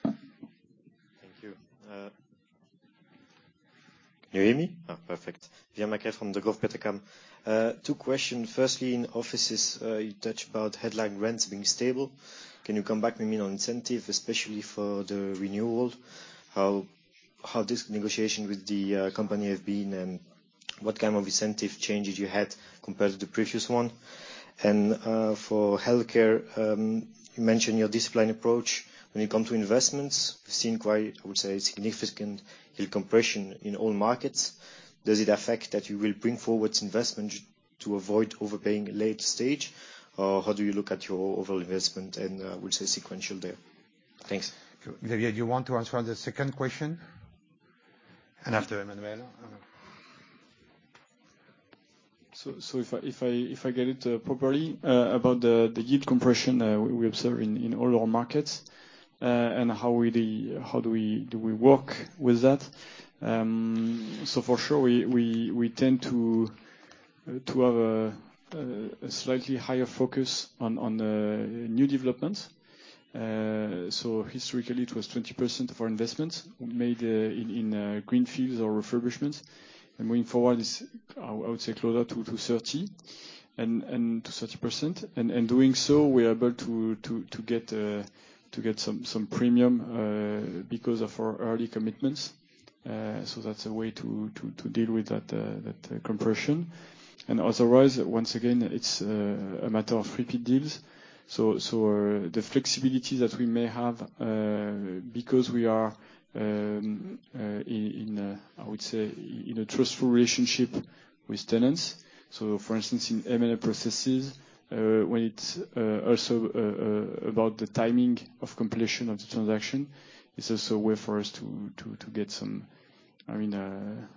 Speaker 10: Thank you. Can you hear me? Perfect. Two questions. Firstly, in offices, you touched about headline rents being stable. Can you come back maybe on incentives, especially for the renewals? How this negotiation with the company have been, and what kind of incentive changes you had compared to the previous one? For healthcare, you mentioned your disciplined approach. When it comes to investments, we've seen quite, I would say, significant yield compression in all markets. Does it affect that you will bring forward investment to avoid overpaying late stage? Or how do you look at your overall investment and we'll say acquisition there? Thanks.
Speaker 2: Xavier, do you want to answer the second question? After Emmanuelle.
Speaker 4: If I get it properly about the yield compression we observe in all our markets and how do we work with that? For sure, we tend to have a slightly higher focus on new developments. Historically it was 20% of our investments made in greenfields or refurbishments, and moving forward, it's I would say closer to 30% and to 30%. Doing so, we are able to get some premium because of our early commitments. That's a way to deal with that compression. Otherwise, once again, it's a matter of repeat deals. The flexibility that we may have because we are in a truthful relationship with tenants. For instance, in M&A processes, when it's also about the timing of completion of the transaction, it's also a way for us to get some, I mean,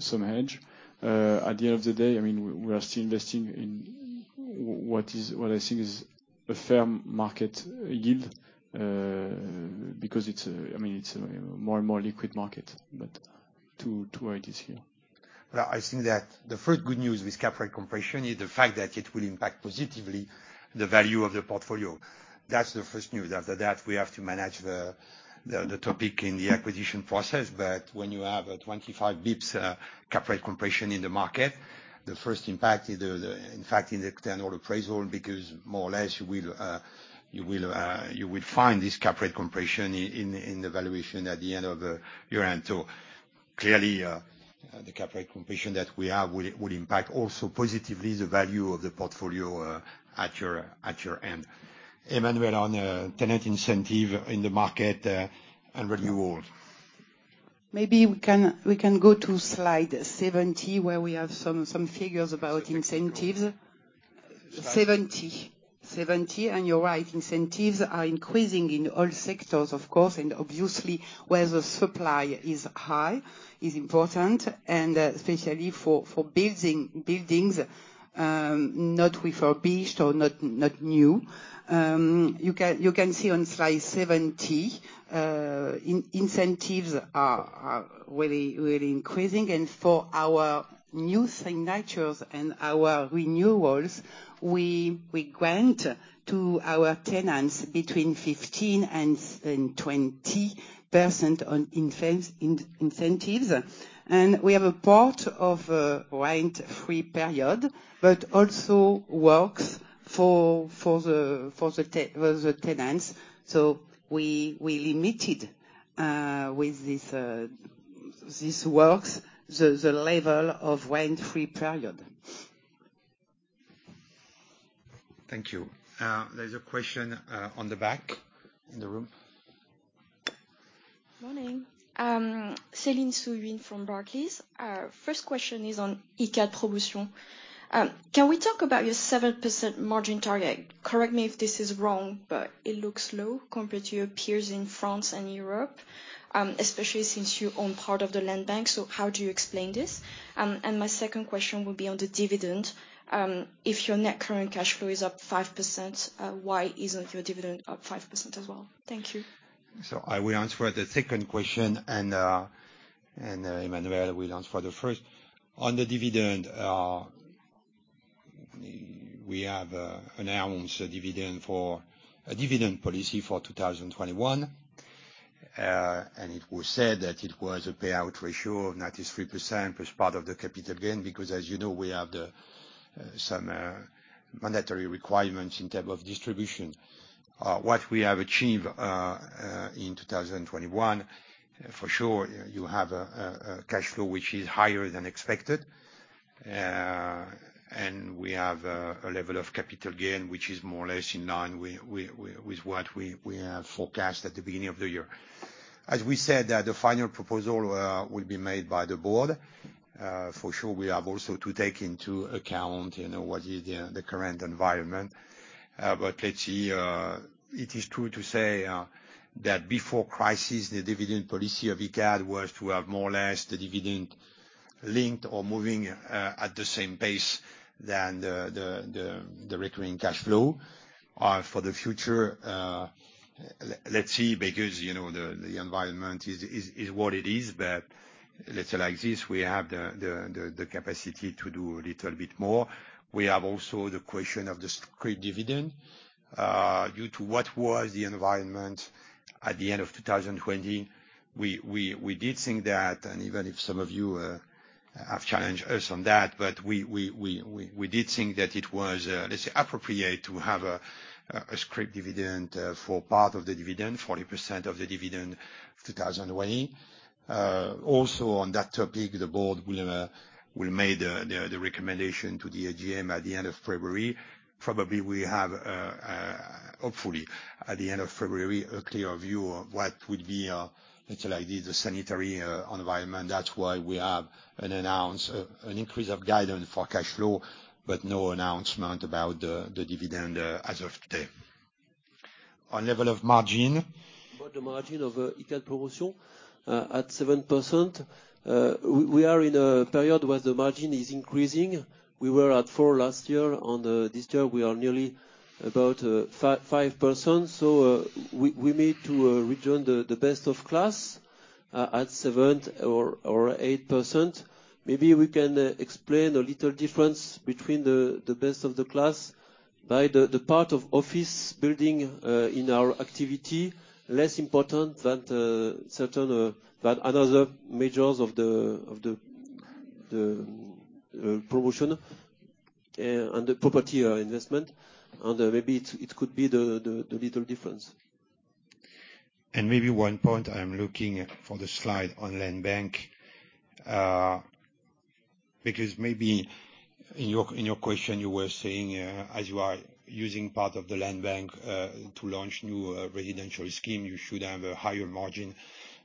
Speaker 4: some edge. At the end of the day, I mean, we are still investing in what is, what I think is a firm market yield because it's, I mean, it's a more and more liquid market, but to where it is here.
Speaker 2: Well, I think that the first good news with cap rate compression is the fact that it will impact positively the value of the portfolio. That's the first news. After that, we have to manage the topic in the acquisition process. When you have a 25 basis points cap rate compression in the market, the first impact is the impact in the external appraisal, because more or less, you will find this cap rate compression in the valuation at the end of the year-end. Clearly, the cap rate compression that we have will impact also positively the value of the portfolio, at your end. Emmanuelle, on tenant incentive in the market, and renewal.
Speaker 3: Maybe we can go to slide 70, where we have some figures about incentives.
Speaker 2: Slide?
Speaker 3: 70. You're right, incentives are increasing in all sectors, of course, and obviously, where the supply is high is important, and especially for buildings not refurbished or not new. You can see on slide 70, incentives are really increasing. For our new signatures and our renewals, we grant to our tenants between 15%-20% on incentives. We have a part of a rent-free period, but also works for the tenants. We limited, with this works, the level of rent-free period.
Speaker 2: Thank you. There's a question on the back of the room.
Speaker 11: Morning. Céline Soo-Huynh from Barclays. First question is on Icade Promotion. Can we talk about your 7% margin target? Correct me if this is wrong, but it looks low compared to your peers in France and Europe, especially since you own part of the land bank. How do you explain this? My second question will be on the dividend. If your net current cash flow is up 5%, why isn't your dividend up 5% as well? Thank you.
Speaker 2: I will answer the second question, and Emmanuelle will answer the first. On the dividend, we have announced a dividend policy for 2021, and it was said that it was a payout ratio of 93% plus part of the capital gain, because as you know, we have some mandatory requirements in terms of distribution. What we have achieved in 2021, for sure, you have a cash flow which is higher than expected, and we have a level of capital gain which is more or less in line with what we have forecast at the beginning of the year. As we said that the final proposal will be made by the board, for sure we have also to take into account, you know, what is the current environment. It is true to say that before crisis, the dividend policy of Icade was to have more or less the dividend linked or moving at the same pace than the recurring cash flow. For the future, let's see, because, you know, the environment is what it is. Let's say like this, we have the capacity to do a little bit more. We have also the question of the scrip dividend. Due to what was the environment at the end of 2020, we did think that. Even if some of you have challenged us on that, but we did think that it was, let's say appropriate to have a scrip dividend for part of the dividend, 40% of the dividend 2020. Also on that topic, the board will make the recommendation to the AGM at the end of February. Probably we have, hopefully at the end of February, a clearer view of what would be, let's say like this, the sanitary environment. That's why we have an increase of guidance for cash flow, but no announcement about the dividend as of today. On level of margin.
Speaker 5: About the margin of Icade Promotion, at 7%, we are in a period where the margin is increasing. We were at 4% last year. On this term, we are nearly about 5%. We need to return the best of class at 7%-8%. Maybe we can explain a little difference between the best of the class by the part of office building in our activity, less important than the certain than other majors of the promotion and the property investment. Maybe it could be the little difference.
Speaker 2: Maybe one point, I am looking for the slide on land bank, because maybe in your question, you were saying, as you are using part of the land bank, to launch new residential scheme, you should have a higher margin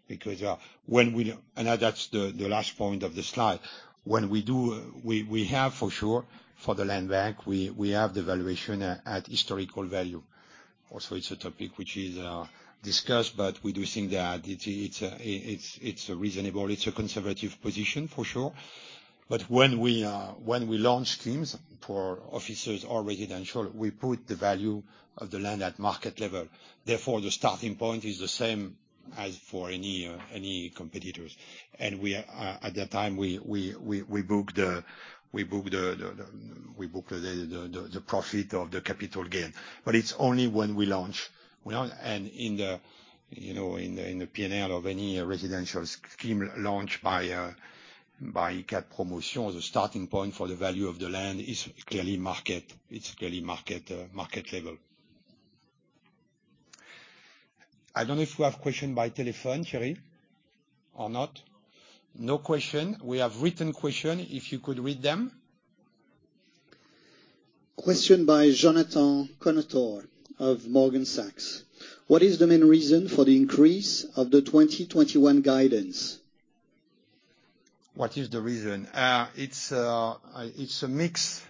Speaker 2: because that's the last point of the slide. When we have for sure, for the land bank, we have the valuation at historical value. Also, it's a topic which is discussed, but we do think that it's reasonable. It's a conservative position for sure. But when we launch schemes for offices or residential, we put the value of the land at market level. Therefore, the starting point is the same as for any competitors. We at that time book the profit of the capital gain. It's only when we launch. In the P&L of any residential scheme launched by Icade Promotion, the starting point for the value of the land is clearly market. It's clearly market level. I don't know if you have question by telephone, Cherie, or not. No question. We have written question, if you could read them.
Speaker 12: Question by Jonathan Kownator of Goldman Sachs. What is the main reason for the increase of the 2021 guidance?
Speaker 2: What is the reason? It's a mix.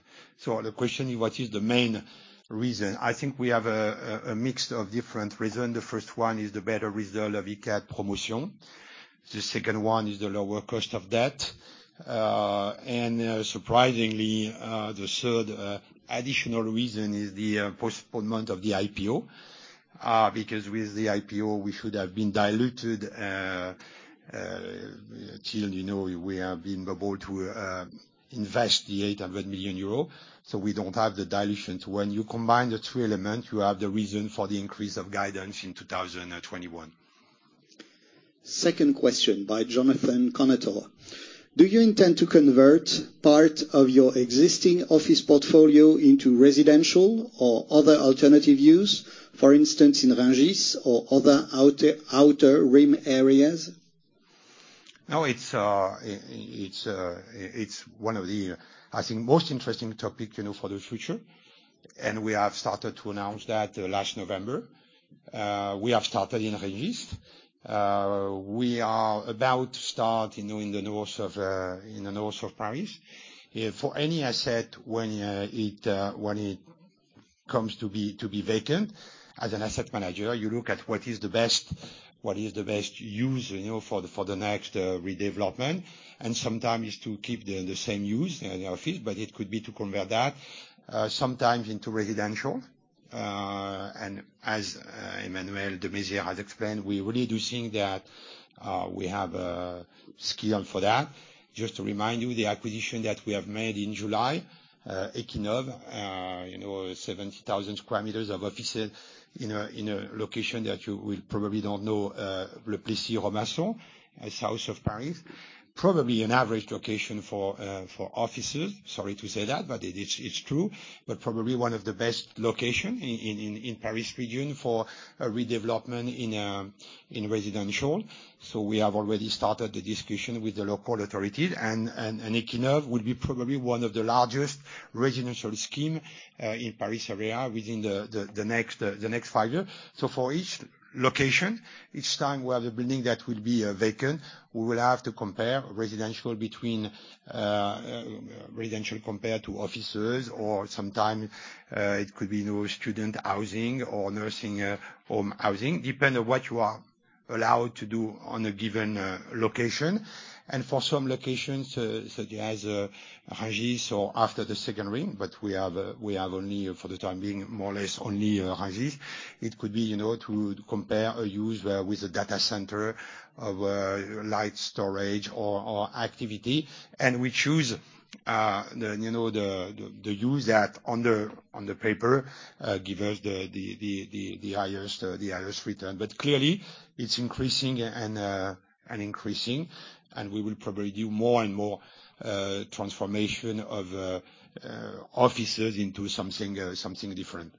Speaker 2: The question is what is the main reason. I think we have a mix of different reason. The first one is the better result of Icade Promotion. The second one is the lower cost of debt. Surprisingly, the third additional reason is the postponement of the IPO. Because with the IPO, we should have been diluted till you know we have been able to invest 800 million euro, so we don't have the dilution. When you combine the three element, you have the reason for the increase of guidance in 2021.
Speaker 12: Second question by Jonathan Kownator. Do you intend to convert part of your existing office portfolio into residential or other alternative use, for instance, in Rungis or other outer rim areas?
Speaker 2: No, it's one of the, I think, most interesting topic, you know, for the future. We have started to announce that last November. We have started in Rungis. We are about to start, you know, in the north of Paris. For any asset, when it comes to be vacant, as an asset manager, you look at what is the best use, you know, for the next redevelopment. Sometimes to keep the same use, you know, office, but it could be to convert that sometimes into residential. And as Emmanuel Desmaizières has explained, we really do think that we have a skill for that. Just to remind you, the acquisition that we have made in July, Equinove, you know, 70,000 sq m of offices in a location that you will probably don't know, Le Plessis-Robinson, south of Paris. Probably an average location for offices. Sorry to say that, but it is, it's true. But probably one of the best location in Paris region for a redevelopment in residential. We have already started the discussion with the local authority and Equinove will be probably one of the largest residential scheme in Paris area within the next five years. For each location, each time we have a building that will be vacant, we will have to compare residential compared to offices or sometimes it could be new student housing or nursing home housing, depending on what you are allowed to do on a given location. For some locations, such as Rungis or after the second ring, but we have only, for the time being, more or less only Rungis. It could be, you know, to compare a use with a data center of light storage or activity. We choose, you know, the use that on paper gives us the highest return. Clearly, it's increasing and increasing, and we will probably do more and more transformation of offices into something different.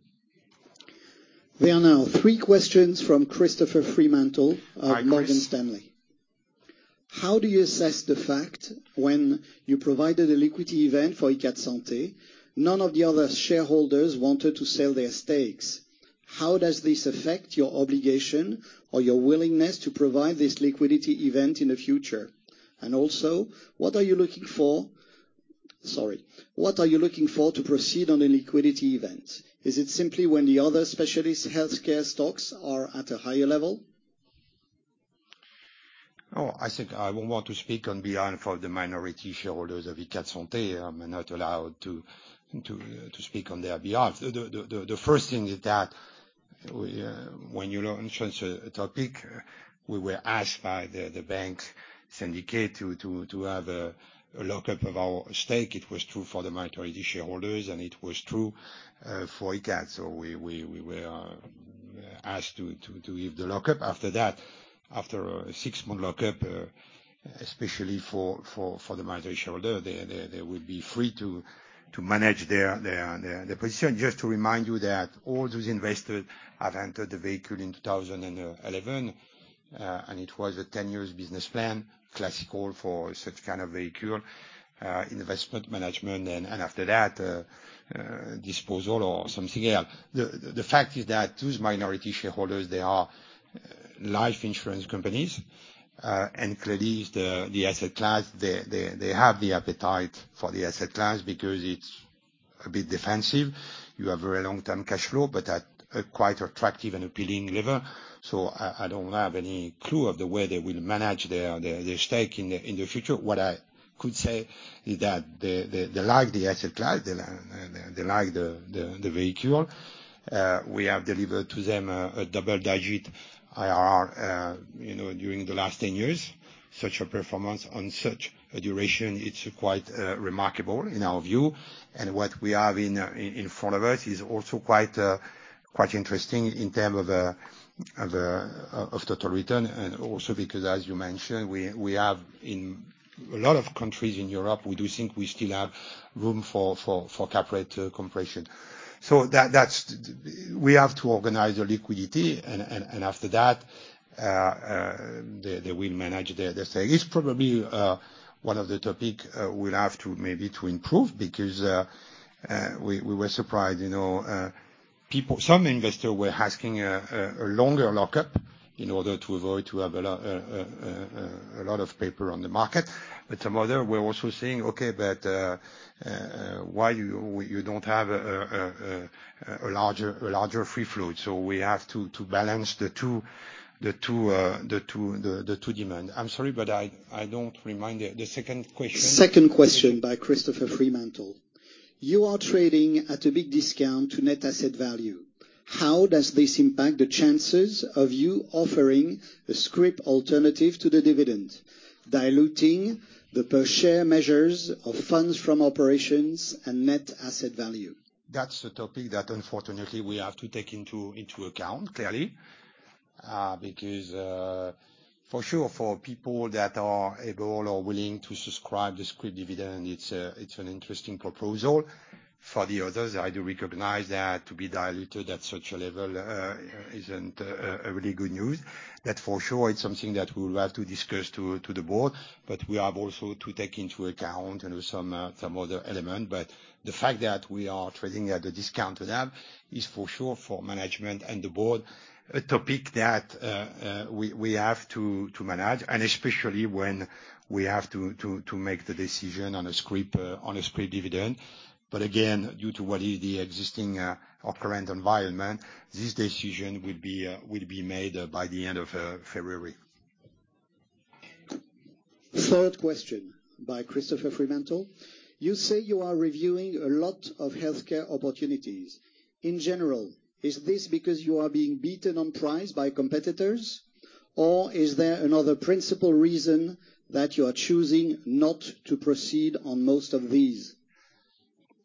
Speaker 12: We have now three questions from Christopher Fremantle.
Speaker 2: Hi, Chris.
Speaker 12: How do you assess the fact when you provided a liquidity event for Icade Santé, none of the other shareholders wanted to sell their stakes? How does this affect your obligation or your willingness to provide this liquidity event in the future? What are you looking for to proceed on a liquidity event? Is it simply when the other specialist healthcare stocks are at a higher level?
Speaker 2: Oh, I think I won't want to speak on behalf of the minority shareholders of Icade Santé. I'm not allowed to speak on their behalf. The first thing is that we, when you launch a topic, we were asked by the bank syndicate to have a lockup of our stake. It was true for the minority shareholders, and it was true for Icade. We were asked to give the lockup. After that, after a six-month lockup, especially for the minority shareholder, they would be free to manage their position. Just to remind you that all those investors have entered the vehicle in 2011, and it was a ten-year business plan, classical for such kind of vehicle, investment management and after that, disposal or something else. The fact is that those minority shareholders, they are life insurance companies, and clearly the asset class, they have the appetite for the asset class because it's a bit defensive. You have very long-term cash flow, but at a quite attractive and appealing level. I don't have any clue of the way they will manage their stake in the future. What I could say is that they like the asset class, they like the vehicle. We have delivered to them a double-digit IRR, you know, during the last 10 years. Such a performance on such a duration, it's quite remarkable in our view. What we have in front of us is also quite interesting in terms of total return, and also because, as you mentioned, we have in a lot of countries in Europe, we do think we still have room for cap rate compression. We have to organize a liquidity, and after that, they will manage their stake. It's probably one of the topics we'll have to maybe to improve because we were surprised, you know, people, some investors were asking a longer lockup in order to avoid to have a lot of paper on the market. But some other were also saying, "Okay, but why you don't have a larger free float?" So we have to balance the two demand. I'm sorry, but I don't remember the second question.
Speaker 12: Second question by Christopher Fremantle: You are trading at a big discount to Net Asset Value. How does this impact the chances of you offering a scrip alternative to the dividend, diluting the per share measures of Funds From Operations and Net Asset Value?
Speaker 2: That's a topic that unfortunately we have to take into account, clearly. Because, for sure, for people that are able or willing to subscribe the scrip dividend, it's an interesting proposal. For the others, I do recognize that to be diluted at such a level isn't really good news. That for sure is something that we will have to discuss to the board, but we have also to take into account, you know, some other element. The fact that we are trading at a discount to that is for sure for management and the board a topic that we have to manage, and especially when we have to make the decision on a scrip dividend. Again, due to what is the existing or current environment, this decision will be made by the end of February.
Speaker 12: You say you are reviewing a lot of healthcare opportunities. In general, is this because you are being beaten on price by competitors, or is there another principal reason that you are choosing not to proceed on most of these?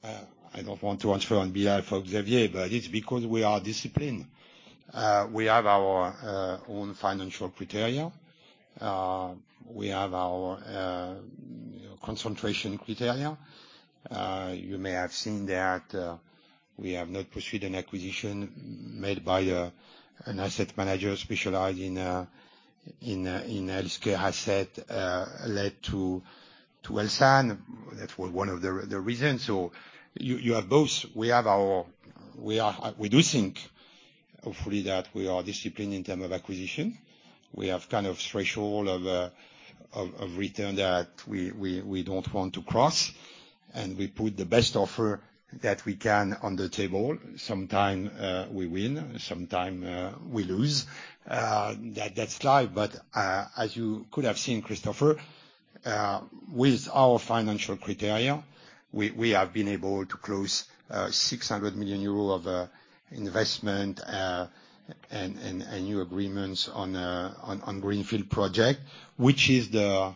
Speaker 2: I don't want to answer on behalf of Xavier, but it's because we are disciplined. We have our own financial criteria. We have our concentration criteria. You may have seen that we have not pursued an acquisition made by an asset manager specialized in healthcare asset led to Elsan. That was one of the reasons. So you have both. We do think, hopefully, that we are disciplined in term of acquisition. We have kind of threshold of return that we don't want to cross. We put the best offer that we can on the table. Sometimes we win, sometimes we lose. That's life. As you could have seen, Christopher, with our financial criteria, we have been able to close 600 million euros of investment and new agreements on greenfield project, which is the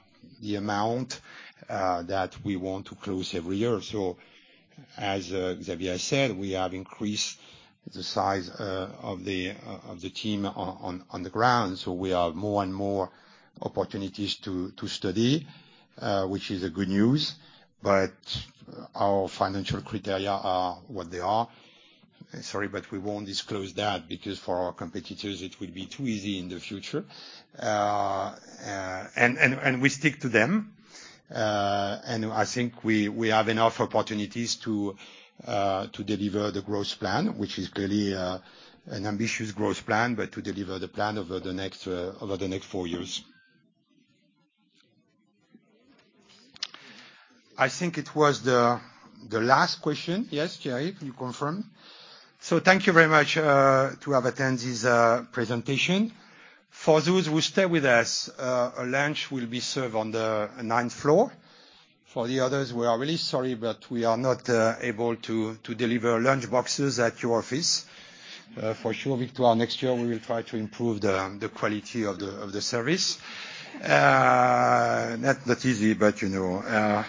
Speaker 2: amount that we want to close every year. As Xavier said, we have increased the size of the team on the ground, so we have more and more opportunities to study, which is good news, but our financial criteria are what they are. Sorry, but we won't disclose that because for our competitors it will be too easy in the future. We stick to them. I think we have enough opportunities to deliver the growth plan, which is clearly an ambitious growth plan, but to deliver the plan over the next four years. I think it was the last question. Yes, Cherie, can you confirm? Thank you very much to have attended this presentation. For those who stay with us, a lunch will be served on the ninth floor. For the others, we are really sorry, but we are not able to deliver lunch boxes at your office. For sure, Victoire, next year we will try to improve the quality of the service. Not easy, but you know,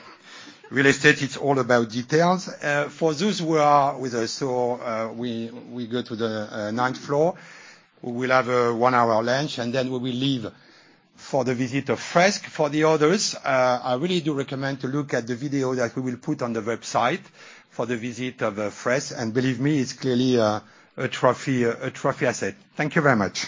Speaker 2: real estate, it's all about details. For those who are with us, we go to the ninth floor. We'll have a one-hour lunch, and then we will leave for the visit of Fresk. For the others, I really do recommend to look at the video that we will put on the website for the visit of Fresk. Believe me, it's clearly a trophy asset. Thank you very much.